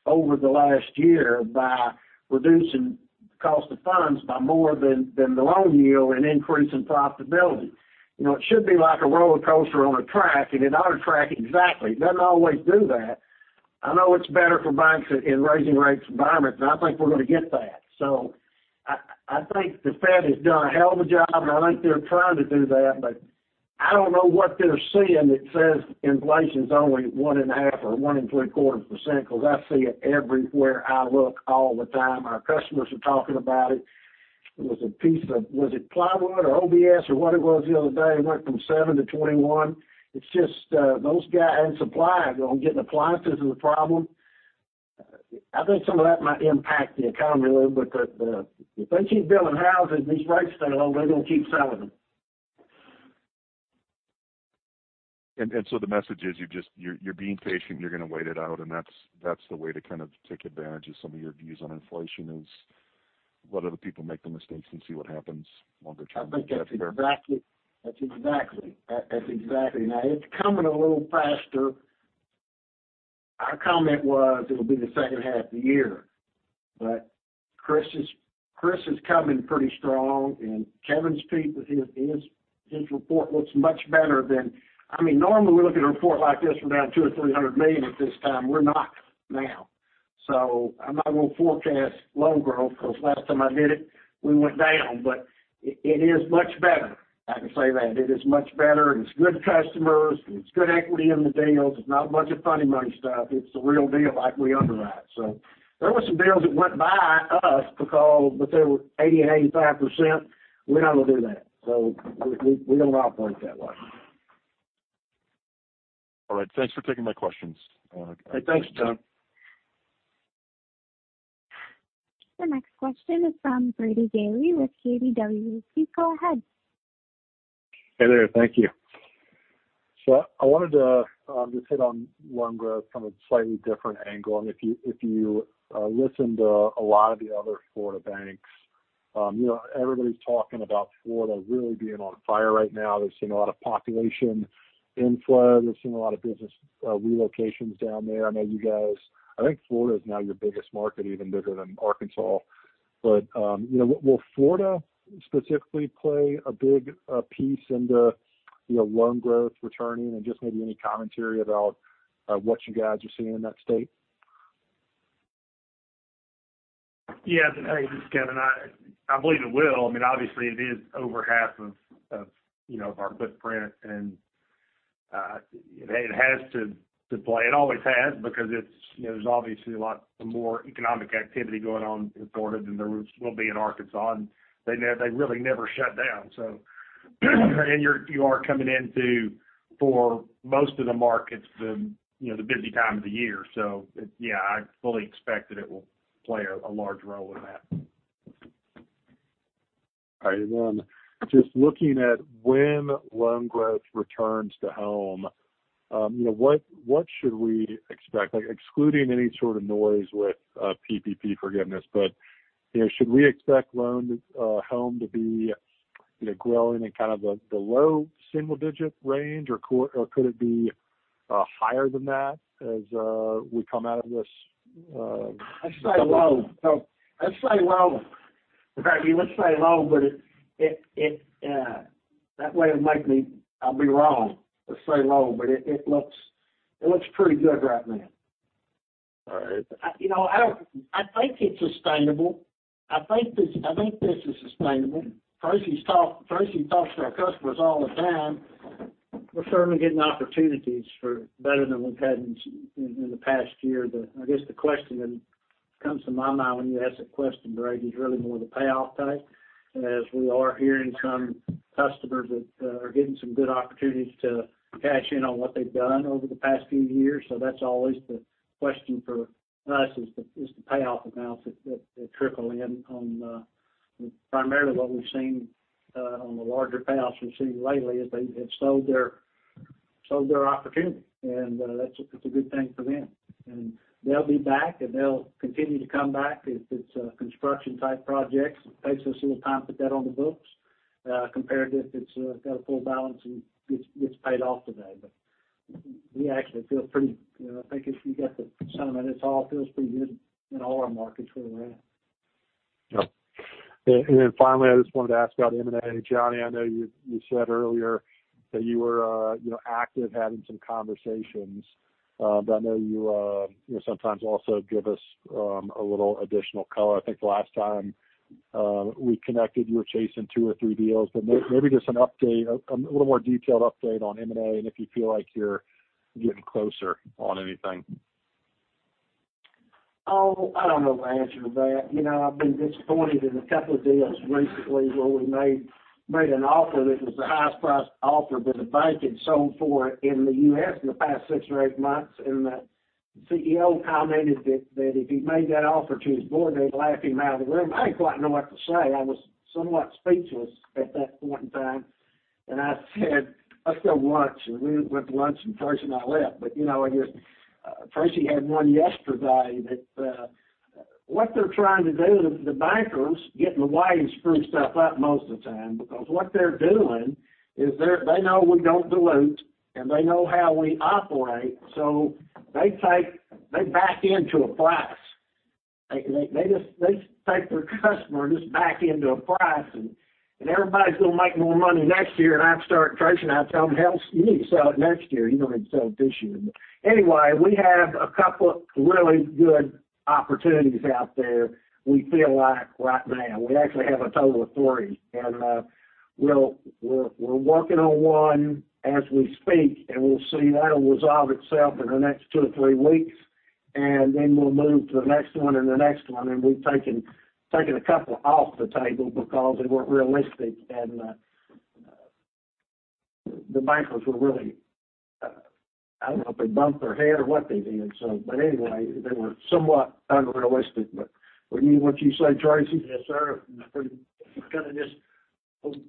over the last year by reducing cost of funds by more than the loan yield and increasing profitability. It should be like a roller coaster on a track, and it ought to track exactly. It doesn't always do that. I know it's better for banks in raising rates environments, and I think we're going to get that. I think the Fed has done a hell of a job, and I think they're trying to do that, but I don't know what they're seeing that says inflation's only 1.5% or 1.75%, because I see it everywhere I look all the time. Our customers are talking about it. There was a piece of, was it plywood or OSB or what it was the other day, went from seven to 21. It's just those guys in supply are going, getting appliances is a problem. I think some of that might impact the economy a little bit, but if they keep building houses, these rates stay low, they're going to keep selling them. The message is you're being patient, you're going to wait it out, and that's the way to kind of take advantage of some of your views on inflation is let other people make the mistakes and see what happens while they're trying to catch up. I think that's exactly. Now it's coming a little faster. Our comment was, it'll be the second half of the year. Chris is coming pretty strong, and Kevin's team with his report looks much better than normally, we look at a report like this from around $200 million or $300 million at this time. We're not now. I'm not going to forecast loan growth because last time I did it, we went down. It is much better. I can say that. It is much better, and it's good customers, and it's good equity in the deals. It's not a bunch of funny money stuff. It's the real deal like we underwrite. There were some deals that went by us because if they were 80% and 85%, we're not going to do that. We're going to operate that way. All right. Thanks for taking my questions. Hey, thanks, Jon. The next question is from Brady Gailey with KBW. Please go ahead. Hey there. Thank you. I wanted to just hit on loan growth from a slightly different angle. If you listen to a lot of the other Florida banks, everybody's talking about Florida really being on fire right now. They're seeing a lot of population inflow. They're seeing a lot of business relocations down there. I think Florida is now your biggest market, even bigger than Arkansas. Will Florida specifically play a big piece into loan growth returning? Just maybe any commentary about what you guys are seeing in that state. Yes. Hey, this is Kevin. I believe it will. Obviously, it is over half of our footprint, and it has to play. It always has because there's obviously a lot more economic activity going on in Florida than there will be in Arkansas, and they really never shut down. You are coming into, for most of the markets, the busy time of the year. Yeah, I fully expect that it will play a large role in that. All right. Then just looking at when loan growth returns to Home, what should we expect? Excluding any sort of noise with PPP forgiveness, should we expect loan Home to be growing in kind of the low single-digit range, or could it be higher than that as we come out of this? I'd say low. In fact, let's say low, but that way I'll be wrong. Let's say low, but it looks pretty good right now. All right. I think it's sustainable. I think this is sustainable. Tracy talks to our customers all the time. We're certainly getting opportunities for better than we've had in the past year. I guess the question that comes to my mind when you ask the question, Brady, is really more the payoff type, as we are hearing from customers that are getting some good opportunities to cash in on what they've done over the past few years. That's always the question for us is the payoff amounts that trickle in on primarily what we've seen on the larger payoffs we've seen lately is they have sold their opportunity, and that's a good thing for them. They'll be back, and they'll continue to come back. If it's construction-type projects, it takes us a little time to put that on the books compared to if it's got a full balance and gets paid off today. We actually feel pretty, I think if you got the sentiment, it all feels pretty good in all our markets we're in. Yeah. Finally, I just wanted to ask about M&A. Johnny, I know you said earlier that you were active having some conversations, but I know you sometimes also give us a little additional color. I think the last time we connected, you were chasing two or three deals, but maybe just a little more detailed update on M&A and if you feel like you're getting closer on anything. Oh, I don't know the answer to that. I've been disappointed in a couple deals recently where we made an offer that was the highest priced offer that a bank had sold for in the U.S. in the past six or eight months. The CEO commented that if he made that offer to his board, they'd laugh him out of the room. I didn't quite know what to say. I was somewhat speechless at that point in time. I said, "Let's go lunch." We went to lunch, and Tracy and I left. Tracy had one yesterday that what they're trying to do, the bankers get in the way and screw stuff up most of the time because what they're doing is they know we don't dilute, and they know how we operate. They back into a price. They take their customer and just back into a price, everybody's going to make more money next year. I start Tracy, I tell them, "Hell, you need to sell it next year. You don't need to sell it this year." Anyway, we have a couple of really good opportunities out there we feel like right now. We actually have a total of three, we're working on one as we speak, we'll see. That'll resolve itself in the next two to three weeks, we'll move to the next one and the next one. We've taken a couple off the table because they weren't realistic, the bankers were really I don't know if they bumped their head or what they did. Anyway, they were somewhat unrealistic. Wouldn't you say, Tracy? Yes, sir. Kind of just,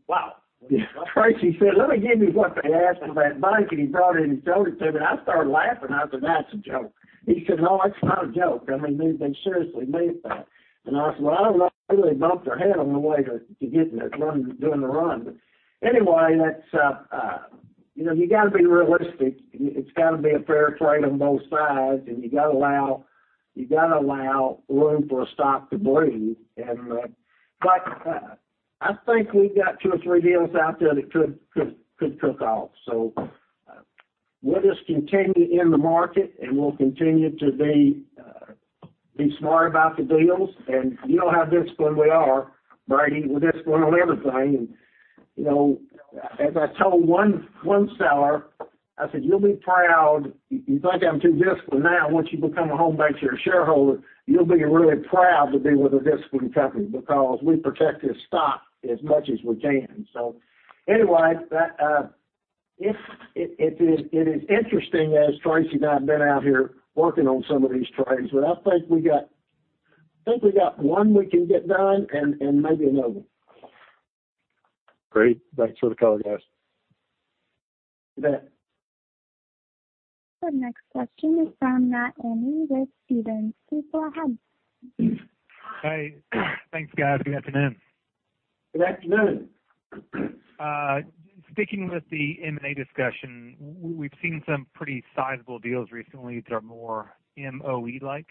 wow. Yeah. Tracy said, "Let me give you what they asked for that bank," and he brought it in and showed it to me, and I started laughing. I said, "That's a joke." He said, "No, that's not a joke. They seriously made that." I said, "Well, I don't know if they really bumped their head on the way to doing the run." Anyway, you got to be realistic. It's got to be a fair trade on both sides, and you got to allow room for a stock to breathe. I think we've got two or three deals out there that could cook off. We'll just continue in the market, and we'll continue to be smart about the deals. You know how disciplined we are, Brady, with this one on everything. As I told one seller, I said, "You'll be proud. You think I'm too disciplined now. Once you become a Home BancShares shareholder, you'll be really proud to be with a disciplined company because we protect this stock as much as we can. Anyway, it is interesting as Tracy and I have been out here working on some of these trades. I think we got one we can get done and maybe another one. Great. Thanks for the color, guys. You bet. Our next question is from Matt Olney with Stephens. Please go ahead. Hey. Thanks, guys. Good afternoon. Good afternoon. Sticking with the M&A discussion, we've seen some pretty sizable deals recently that are more MOE-like.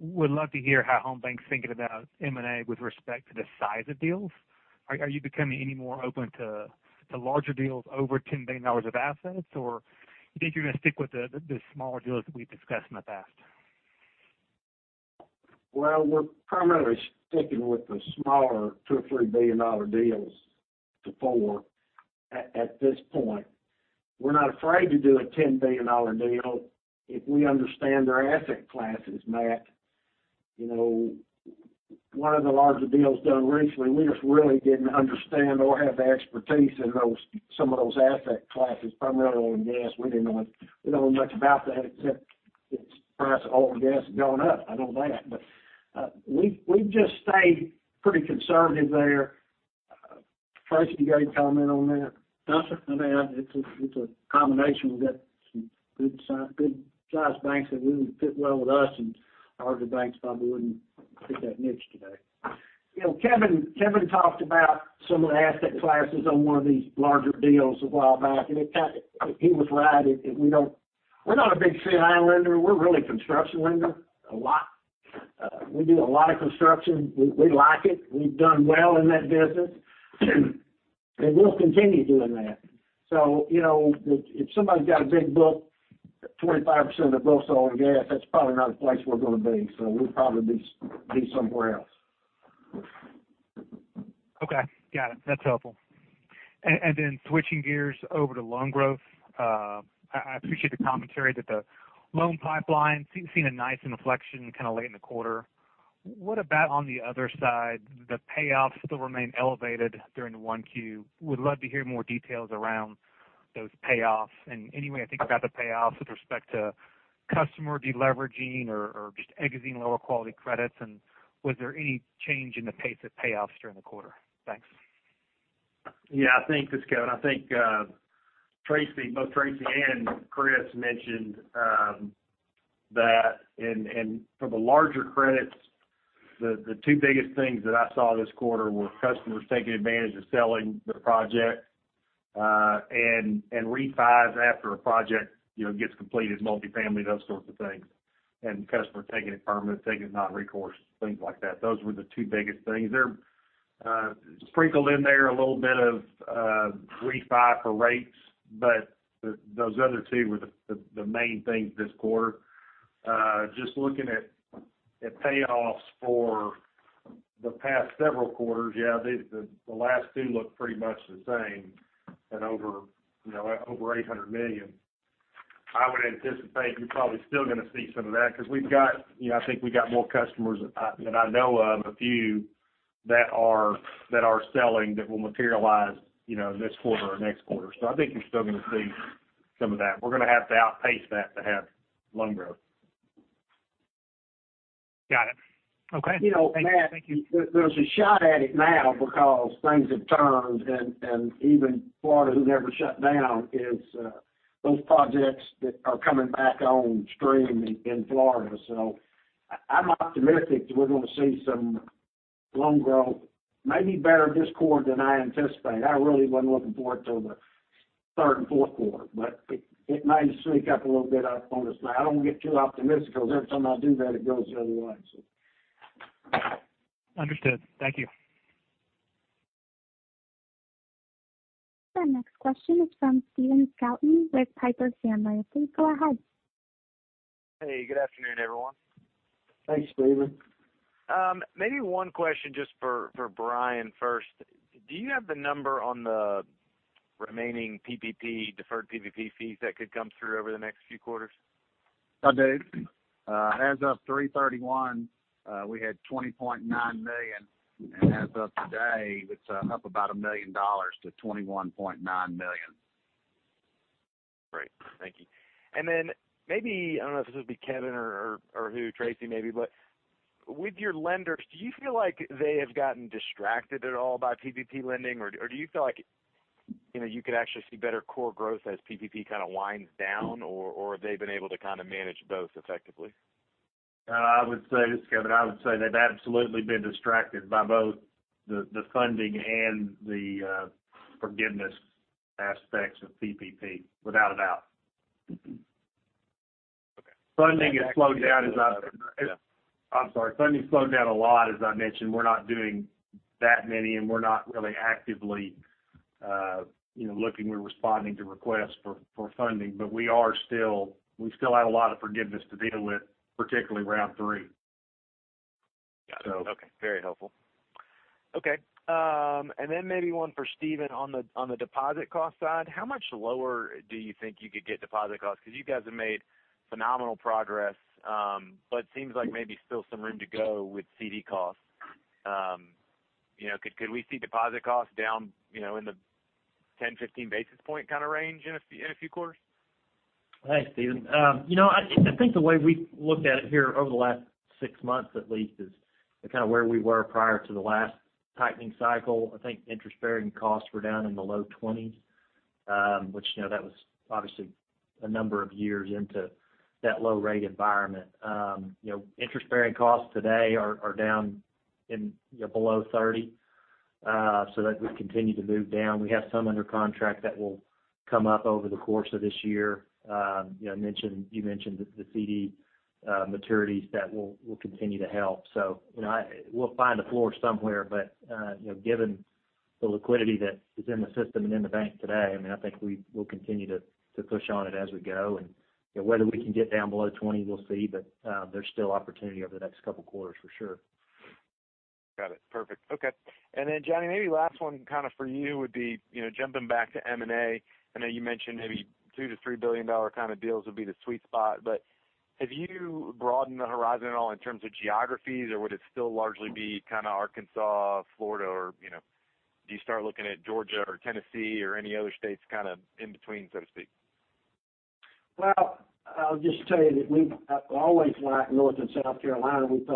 Would love to hear how Home BancShares' thinking about M&A with respect to the size of deals. Are you becoming any more open to larger deals over $10 billion of assets, or do you think you're going to stick with the smaller deals that we've discussed in the past? Well, we're primarily sticking with the smaller $2 billion or $3 billion deals to $4 billion at this point. We're not afraid to do a $10 billion deal if we understand their asset classes, Matt. One of the larger deals done recently, we just really didn't understand or have the expertise in some of those asset classes, primarily oil and gas. We didn't know much about that except the price of oil and gas had gone up. I know that. We've just stayed pretty conservative there. Tracy, you got any comment on that? No, sir. It's a combination. We've got some good-sized banks that really fit well with us, and larger banks probably wouldn't fit that niche today. Kevin talked about some of the asset classes on one of these larger deals a while back. He was right. We're not a big C&I lender. We're really a construction lender, a lot. We do a lot of construction. We like it. We've done well in that business. We'll continue doing that. If somebody's got a big book, 25% of the book's oil and gas, that's probably not a place we're going to be. We'll probably be somewhere else. Okay. Got it. That's helpful. Then switching gears over to loan growth, I appreciate the commentary that the loan pipeline seemed to have seen a nice inflection kind of late in the quarter. What about on the other side? The payoffs still remained elevated during the one Q. Would love to hear more details around those payoffs, and any way to think about the payoffs with respect to customer deleveraging or just exiting lower quality credits. Was there any change in the pace of payoffs during the quarter? Thanks. I think, Matt, both Tracy and Chris mentioned that. For the larger credits, the two biggest things that I saw this quarter were customers taking advantage of selling their project, and refis after a project gets completed, multifamily, those sorts of things. Customers taking it permanent, taking it non-recourse, things like that. Those were the two biggest things. There sprinkled in there a little bit of refi for rates, but those other two were the main things this quarter. Just looking at payoffs for the past several quarters, yeah, the last two look pretty much the same at over $800 million. I would anticipate you're probably still going to see some of that because I think we got more customers that I know of, a few, that are selling that will materialize this quarter or next quarter. I think you're still going to see some of that. We're going to have to outpace that to have loan growth. Got it. Okay. Matt Thank you. There's a shot at it now because things have turned, even Florida, who never shut down, those projects that are coming back on stream in Florida. I'm optimistic that we're going to see some loan growth, maybe better this quarter than I anticipate. I really wasn't looking for it till the third and fourth quarter, it may sneak up a little bit up on us now. I don't want to get too optimistic because every time I do that, it goes the other way. Understood. Thank you. Our next question is from Stephen Scouten with Piper Sandler. Please go ahead. Hey, good afternoon, everyone. Thanks, Stephen. Maybe one question just for Brian first. Do you have the number on the remaining PPP, deferred PPP fees that could come through over the next few quarters? I do. As of 3/31, we had $20.9 million, and as of today, it's up about $1 million to $21.9 million. Great. Thank you. Then maybe, I don't know if this would be Kevin or who, Tracy, maybe, but with your lenders, do you feel like they have gotten distracted at all by PPP lending? Do you feel like you could actually see better core growth as PPP kind of winds down? Have they been able to manage both effectively? This is Kevin. I would say they've absolutely been distracted by both the funding and the forgiveness aspects of PPP, without a doubt. Funding has slowed down, I'm sorry, funding slowed down a lot. As I mentioned, we're not doing that many, and we're not really actively looking. We're responding to requests for funding. We still have a lot of forgiveness to deal with, particularly round three. Got it. Okay. Very helpful. Okay. Then maybe one for Stephen on the deposit cost side. How much lower do you think you could get deposit costs? You guys have made phenomenal progress, but seems like maybe still some room to go with CD costs. Could we see deposit costs down in the 10, 15 basis point kind of range in a few quarters? Thanks, Stephen. I think the way we've looked at it here over the last six months at least is kind of where we were prior to the last tightening cycle. I think interest-bearing costs were down in the low 20s, which that was obviously a number of years into that low-rate environment. Interest-bearing costs today are down below 30. That would continue to move down. We have some under contract that will come up over the course of this year. You mentioned the CD maturities that will continue to help. We'll find a floor somewhere, but given the liquidity that is in the system and in the bank today, I think we will continue to push on it as we go. Whether we can get down below 20, we'll see. There's still opportunity over the next couple of quarters for sure. Got it. Perfect. Okay. John, maybe last one kind of for you would be jumping back to M&A. I know you mentioned maybe $2 billion-$3 billion kind of deals would be the sweet spot, but have you broadened the horizon at all in terms of geographies, or would it still largely be kind of Arkansas, Florida, or do you start looking at Georgia or Tennessee or any other states kind of in between, so to speak? Well, I'll just tell you that we've always liked North and South Carolina. We've [inaudible]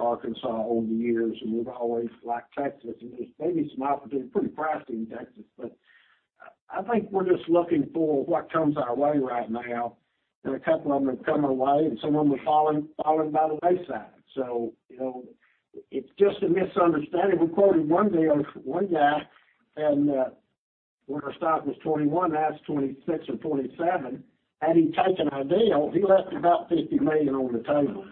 Arkansas over the years. We've always liked Texas. There's maybe some opportunity. Pretty pricey in Texas, I think we're just looking for what comes our way right now. A couple of them have come our way, and some of them have fallen by the wayside. It's just a misunderstanding. We quoted one deal for one guy, and when our stock was $21, now it's $26 or $27. Had he taken our deal, he left about $50 million on the table.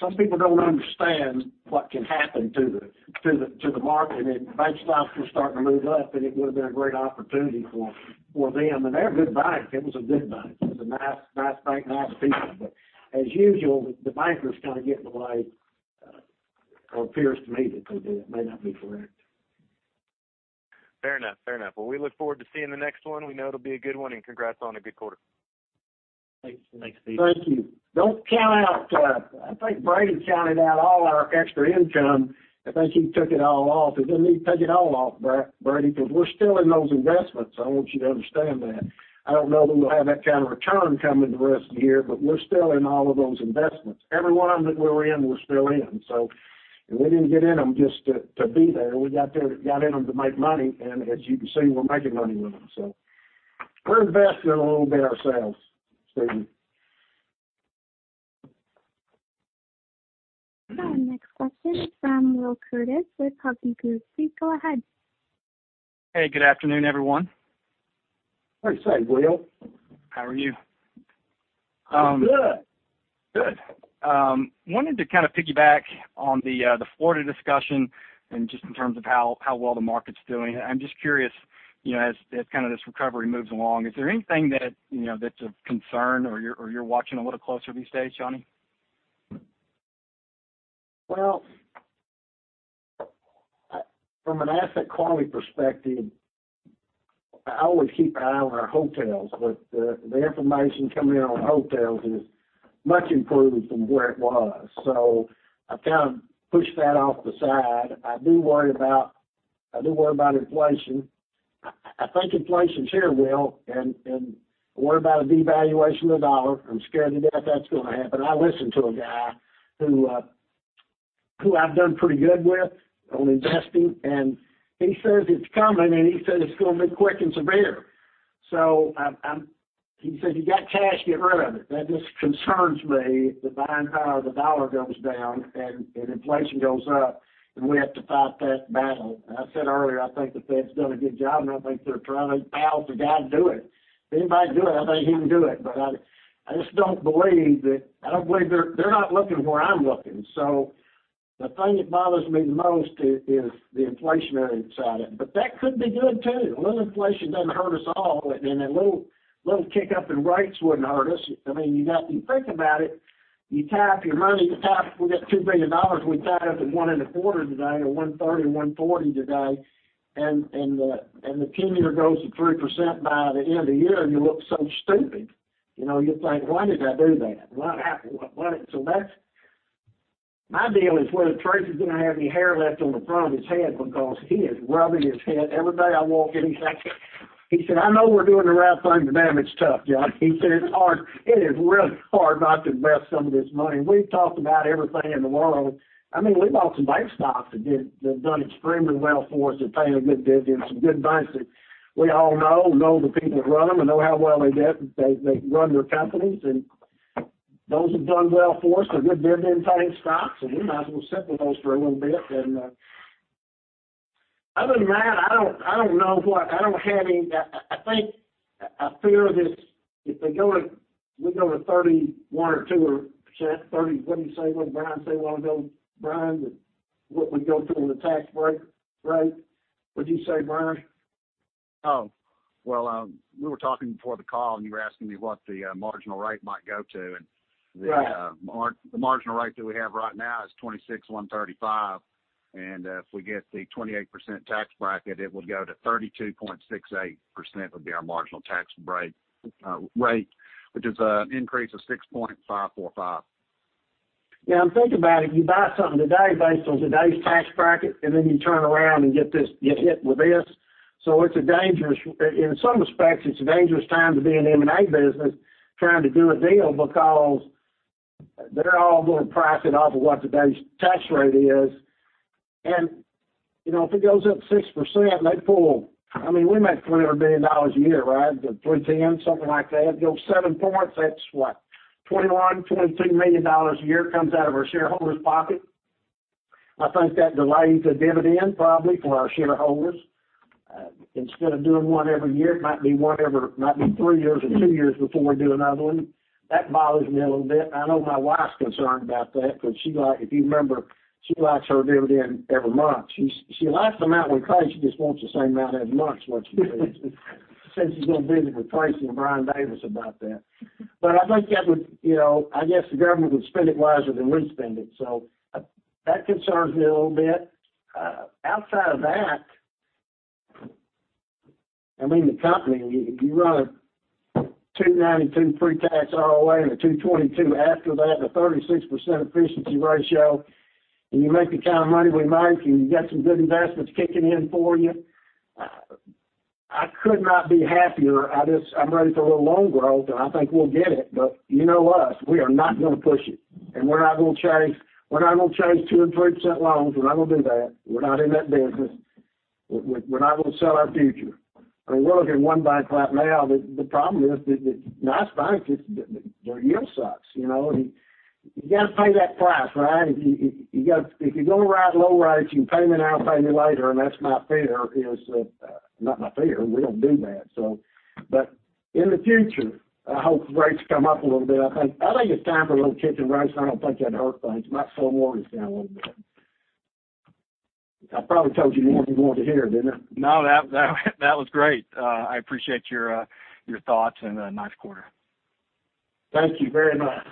Some people don't understand what can happen to the market. If bank stocks were starting to move up, it would have been a great opportunity for them. They're a good bank. It was a good bank. It was a nice bank, nice people. As usual, the bankers kind of get in the way, or appears to me that they did. It may not be correct. Fair enough. Well, we look forward to seeing the next one. We know it'll be a good one, and congrats on a good quarter. Thanks. Thanks, Stephen. Thank you. I think Brady counted out all our extra income. I think he took it all off. He didn't need to take it all off, Brady, because we're still in those investments. I want you to understand that. I don't know that we'll have that kind of return coming the rest of the year. We're still in all of those investments. Every one of them that we're in, we're still in. We didn't get in them just to be there. We got in them to make money. As you can see, we're making money with them. We're investors a little bit ourselves, Stephen. Our next question is from Will Curtiss with Hovde Group. Please go ahead. Hey, good afternoon, everyone. Hey. Say, Will. How are you? I'm good. Good. I wanted to kind of piggyback on the Florida discussion and just in terms of how well the market's doing. I'm just curious, as kind of this recovery moves along, is there anything that's of concern or you're watching a little closer these days, John? Well, from an asset quality perspective, I always keep an eye on our hotels. The information coming in on hotels is much improved from where it was. I've kind of pushed that off to the side. I do worry about inflation. I think inflation's here, Will, and worry about a devaluation of the dollar. I'm scared to death that's going to happen. I listened to a guy who I've done pretty good with on investing, and he says it's coming, and he said it's going to be quick and severe. He said, "You got cash, get rid of it." That just concerns me that behind how the dollar goes down and inflation goes up, and we have to fight that battle. I said earlier, I think the Fed's done a good job, and I think they're trying. Powell's the guy to do it. If anybody can do it, I think he can do it. I just don't believe they're not looking where I'm looking. The thing that bothers me the most is the inflationary side of it. That could be good, too. A little inflation doesn't hurt us all, and a little. Little kick up in rates wouldn't hurt us. If you think about it, you tap your money. We got $2 billion. We tap it at 1.25% today, or 1.30%, 1.40% today, and the 10-year goes to 3% by the end of the year, and you look so stupid. You think, "Why did I do that?" My deal is whether Tracy's going to have any hair left on the front of his head because he is rubbing his head every day I walk in. He's like, he said, "I know we're doing the right thing, but damn, it's tough, John." He said, "It's hard. It is really hard not to invest some of this money." We've talked about everything in the world. We bought some bank stocks that have done extremely well for us. They're paying a good dividend, some good banks that we all know the people that run them and know how well they run their companies. And those have done well for us. They're good dividend-paying stocks, and we might as well sit with those for a little bit. Other than that, I think, a fear of this, if we go to 31 or 2%, what do you say? What did Brian say we want to go, Brian? What we'd go to in the tax bracket? What'd you say, Brian? Oh. Well, we were talking before the call, and you were asking me what the marginal rate might go to, and. Right the marginal rate that we have right now is 26.135%, and if we get the 28% tax bracket, it would go to 32.68%, would be our marginal tax rate, which is an increase of 6.545%. Yeah, think about it. You buy something today based on today's tax bracket, and then you turn around and get hit with this. In some respects, it's a dangerous time to be in the M&A business trying to do a deal because they're all going to price it off of what today's tax rate is. If it goes up 6%, they pull, we make $300 million a year, right? 310, something like that. Go seven points, that's what? $21, $22 million a year comes out of our shareholders' pocket. I think that delays a dividend probably for our shareholders. Instead of doing one every year, it might be three years or two years before we do another one. That bothers me a little bit. I know my wife's concerned about that because if you remember, she likes her dividend every month. She likes the amount we pay, she just wants the same amount every month is what she says. Says she's going to visit with Tracy and Brian S. Davis about that. I guess the government would spend it wiser than we spend it, so that concerns me a little bit. Outside of that, the company, you run a 292 pre-tax ROA and a 222 after that, a 36% efficiency ratio, and you make the kind of money we make, and you got some good investments kicking in for you. I could not be happier. I'm ready for a little loan growth, and I think we'll get it, but you know us, we are not going to push it. We're not going to chase 2% and 3% loans. We're not going to do that. We're not in that business. We're not going to sell our future. We're looking at one bank right now that the problem is, it's a nice bank, it's their yield sucks. You got to pay that price, right? If you're going to ride low rates, you pay me now, pay me later. Not my fear, we don't do that, so. In the future, I hope rates come up a little bit. I think it's time for a little kick in rates, and I don't think that'd hurt things. Might slow mortgage down a little bit. I probably told you more than you wanted to hear, didn't I? No, that was great. I appreciate your thoughts and nice quarter. Thank you very much.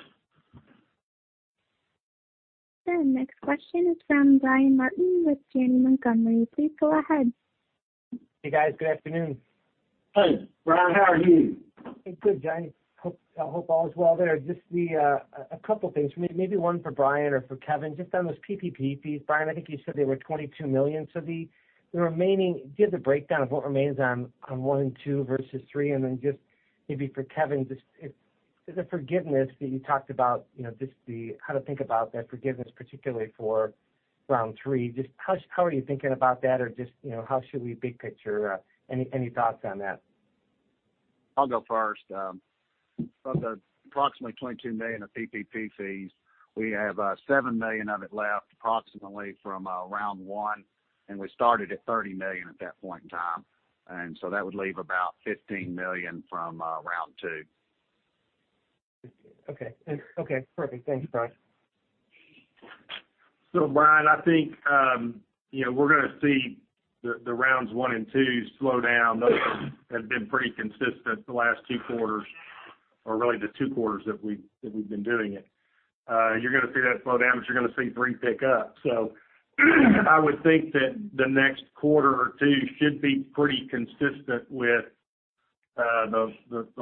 The next question is from Brian Martin with Janney Montgomery. Please go ahead. Hey, guys. Good afternoon. Hey, Brian. How are you? Good, Johnny. Hope all is well there. A couple of things, maybe one for Brian or for Kevin, just on those PPP fees. Brian, I think you said there were $22 million. Do you have the breakdown of what remains on one and two versus three? Then just maybe for Kevin, the forgiveness that you talked about, just how to think about that forgiveness particularly for round three. How are you thinking about that? Or how should we big picture? Any thoughts on that? I'll go first. Of the approximately $22 million of PPP fees, we have $7 million of it left, approximately, from round one, and we started at $30 million at that point in time. That would leave about $15 million from round two. Okay. Perfect. Thanks, Brian. Brian, I think, we're going to see the rounds one and two slow down. Those have been pretty consistent the last two quarters, or really the two quarters that we've been doing it. You're going to see that slow down, but you're going to see three pick up. I would think that the next quarter or two should be pretty consistent with the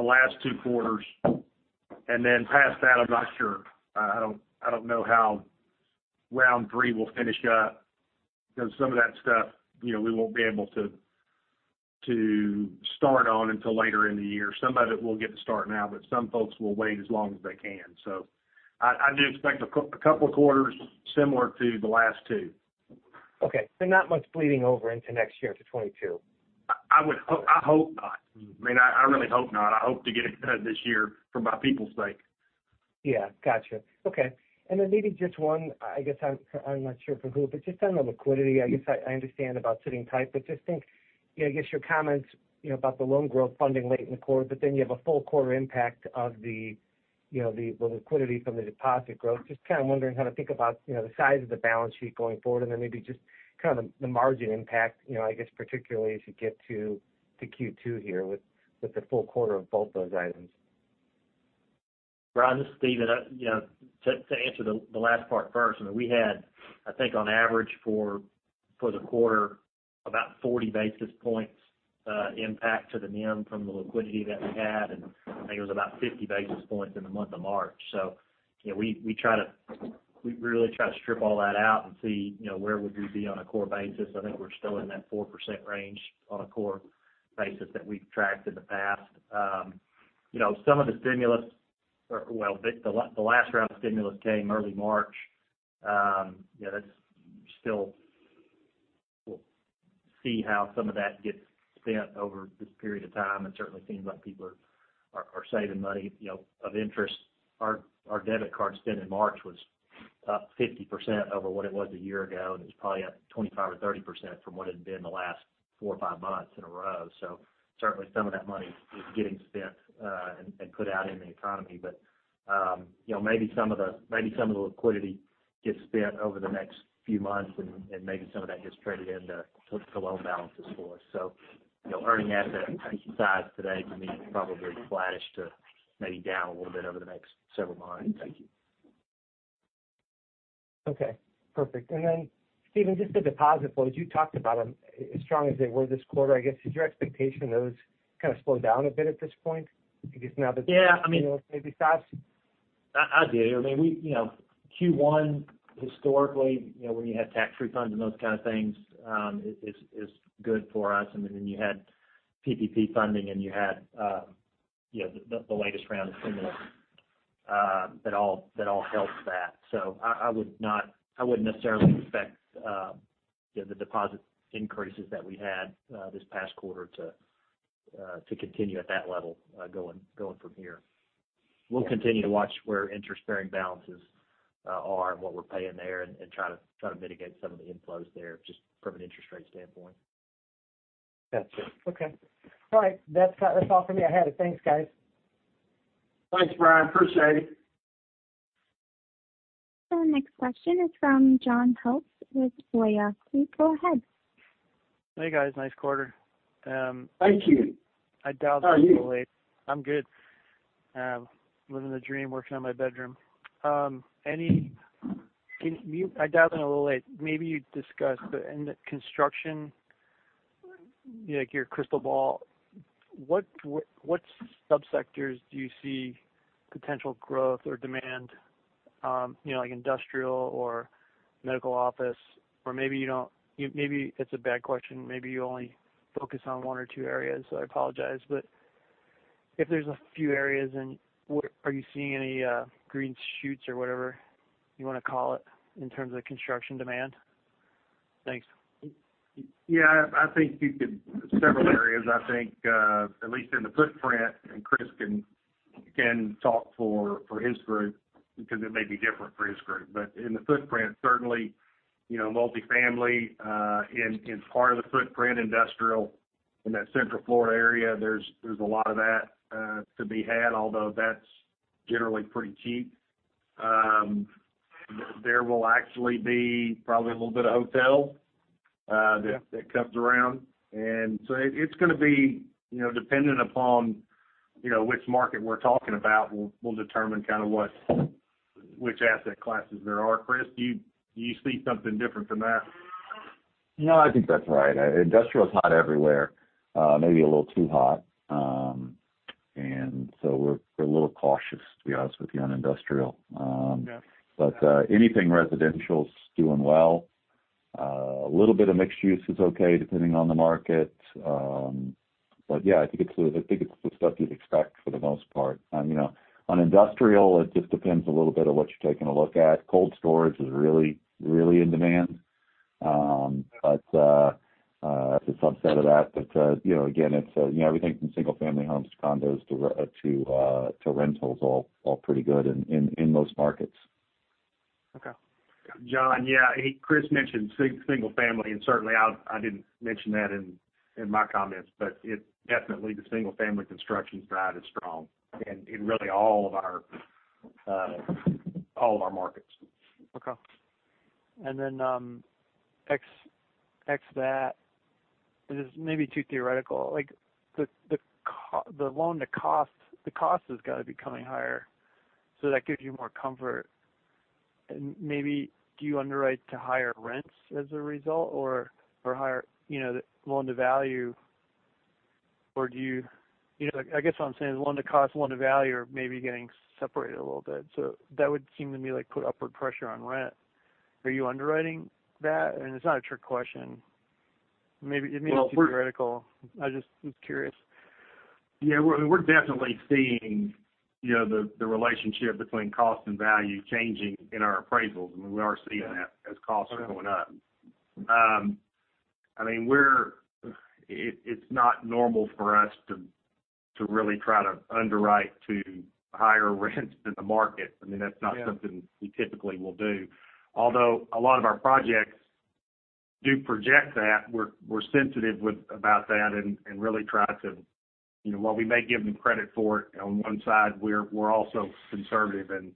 last two quarters. Past that, I'm not sure. I don't know how round three will finish up because some of that stuff we won't be able to start on until later in the year. Some of it we'll get to start now, but some folks will wait as long as they can. I do expect a couple of quarters similar to the last two. Okay. Not much bleeding over into next year, to 2022. I hope not. I really hope not. I hope to get it done this year for my people's sake. Yeah. Got you. Okay. Maybe just one, I guess I'm not sure for who, but just on the liquidity. I guess I understand about sitting tight, but just think, I guess your comments about the loan growth funding late in the quarter, but then you have a full quarter impact of the liquidity from the deposit growth, just kind of wondering how to think about the size of the balance sheet going forward, and then maybe just the margin impact, I guess particularly as you get to Q2 here with the full quarter of both those items. Brian, this is Stephen. To answer the last part first, we had, I think on average for the quarter, about 40 basis points impact to the NIM from the liquidity that we had, and I think it was about 50 basis points in the month of March. We really try to strip all that out and see where would we be on a core basis. I think we're still in that 4% range on a core basis that we've tracked in the past. Some of the stimulus, well, the last round of stimulus came early March. We'll see how some of that gets spent over this period of time. It certainly seems like people are saving money. Of interest, our debit card spend in March was up 50% over what it was a year ago, and it was probably up 25% or 30% from what it had been the last four or five months in a row. Certainly some of that money is getting spent and put out in the economy. Maybe some of the liquidity gets spent over the next few months, and maybe some of that gets traded into loan balances for us. Earning asset size today for me is probably flattish to maybe down a little bit over the next several months. Thank you. Okay, perfect. Then Stephen, just the deposit flows. You talked about them, as strong as they were this quarter, I guess, is your expectation of those kind of slow down a bit at this point? Yeah. Maybe stops? I do. Q1 historically, when you had tax refunds and those kind of things, is good for us. You had PPP funding, and you had the latest round of stimulus. That all helps that. I wouldn't necessarily expect the deposit increases that we had this past quarter to continue at that level going from here. We'll continue to watch where interest-bearing balances are and what we're paying there and try to mitigate some of the inflows there just from an interest rate standpoint. Gotcha. Okay. All right. That's all for me. I had it. Thanks, guys. Thanks, Brian. Appreciate it. The next question is from John Hecht with Jefferies. Go ahead. Hey, guys. Nice quarter. Thank you. I dialed in a little late. How are you? I'm good. Living the dream, working on my bedroom. I dialed in a little late. Maybe you discussed, in the construction, your crystal ball, what sub-sectors do you see potential growth or demand, like industrial or medical office? Maybe it's a bad question. Maybe you only focus on one or two areas, I apologize. If there's a few areas, are you seeing any green shoots or whatever you want to call it in terms of construction demand? Thanks. Yeah, I think several areas, I think, at least in the footprint. Chris can talk for his group because it may be different for his group. In the footprint, certainly, multifamily, in part of the footprint, industrial in that Central Florida area, there's a lot of that to be had, although that's generally pretty cheap. There will actually be probably a little bit of hotel that comes around. It's going to be dependent upon which market we're talking about, will determine kind of which asset classes there are. Chris, do you see something different from that? No, I think that's right. Industrial's hot everywhere. Maybe a little too hot. We're a little cautious, to be honest with you, on industrial. Yeah. Anything residential's doing well. A little bit of mixed use is okay, depending on the market. Yeah, I think it's the stuff you'd expect for the most part. On industrial, it just depends a little bit on what you're taking a look at. Cold storage is really in demand. The subset of that, again, everything from single-family homes to condos to rentals, all pretty good in those markets. Okay. John, yeah. Chris mentioned single family, and certainly I didn't mention that in my comments, but definitely the single-family construction side is strong in really all of our markets. Okay. Then, x that, this is maybe too theoretical. The loan to cost, the cost has got to be coming higher, so that gives you more comfort, and maybe do you underwrite to higher rents as a result or higher loan to value? I guess what I'm saying is loan to cost, loan to value are maybe getting separated a little bit. That would seem to me like put upward pressure on rent. Are you underwriting that? It's not a trick question. Maybe it may be too theoretical. I just was curious. Yeah. We're definitely seeing the relationship between cost and value changing in our appraisals. I mean, we are seeing that as costs are going up. It's not normal for us to really try to underwrite to higher rents than the market. I mean, that's not something we typically will do. Although a lot of our projects do project that, we're sensitive about that and really try to, while we may give them credit for it on one side, we're also conservative and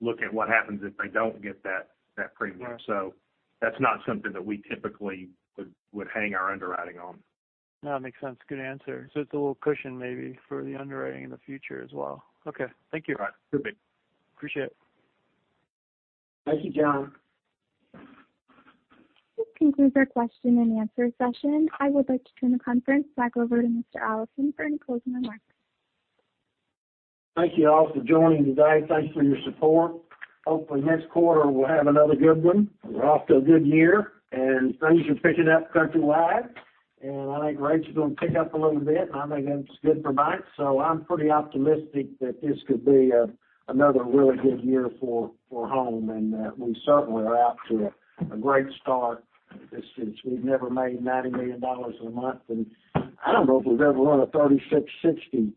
look at what happens if they don't get that premium. Right. That's not something that we typically would hang our underwriting on. No, it makes sense. Good answer. It's a little cushion maybe for the underwriting in the future as well. Okay. Thank you. Right. Appreciate it. Thank you, John. This concludes our question-and-answer session. I would like to turn the conference back over to Mr. Allison for any closing remarks. Thank you all for joining today. Thanks for your support. Hopefully, next quarter we'll have another good one. We're off to a good year. Things are picking up countrywide. I think rates are going to pick up a little bit. I think that's good for banks. I'm pretty optimistic that this could be another really good year for Home. We certainly are out to a great start. We've never made $90 million in a month. I don't know if we've ever run a 36.60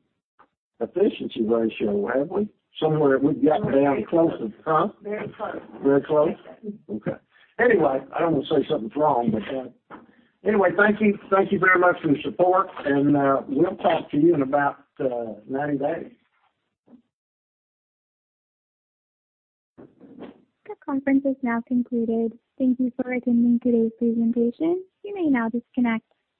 efficiency ratio, have we? Somewhere we've gotten down close. Huh. Very close. Very close? Okay. I don't want to say something's wrong. Thank you. Thank you very much for your support, and we'll talk to you in about 90 days. This conference is now concluded. Thank you for attending today's presentation. You may now disconnect.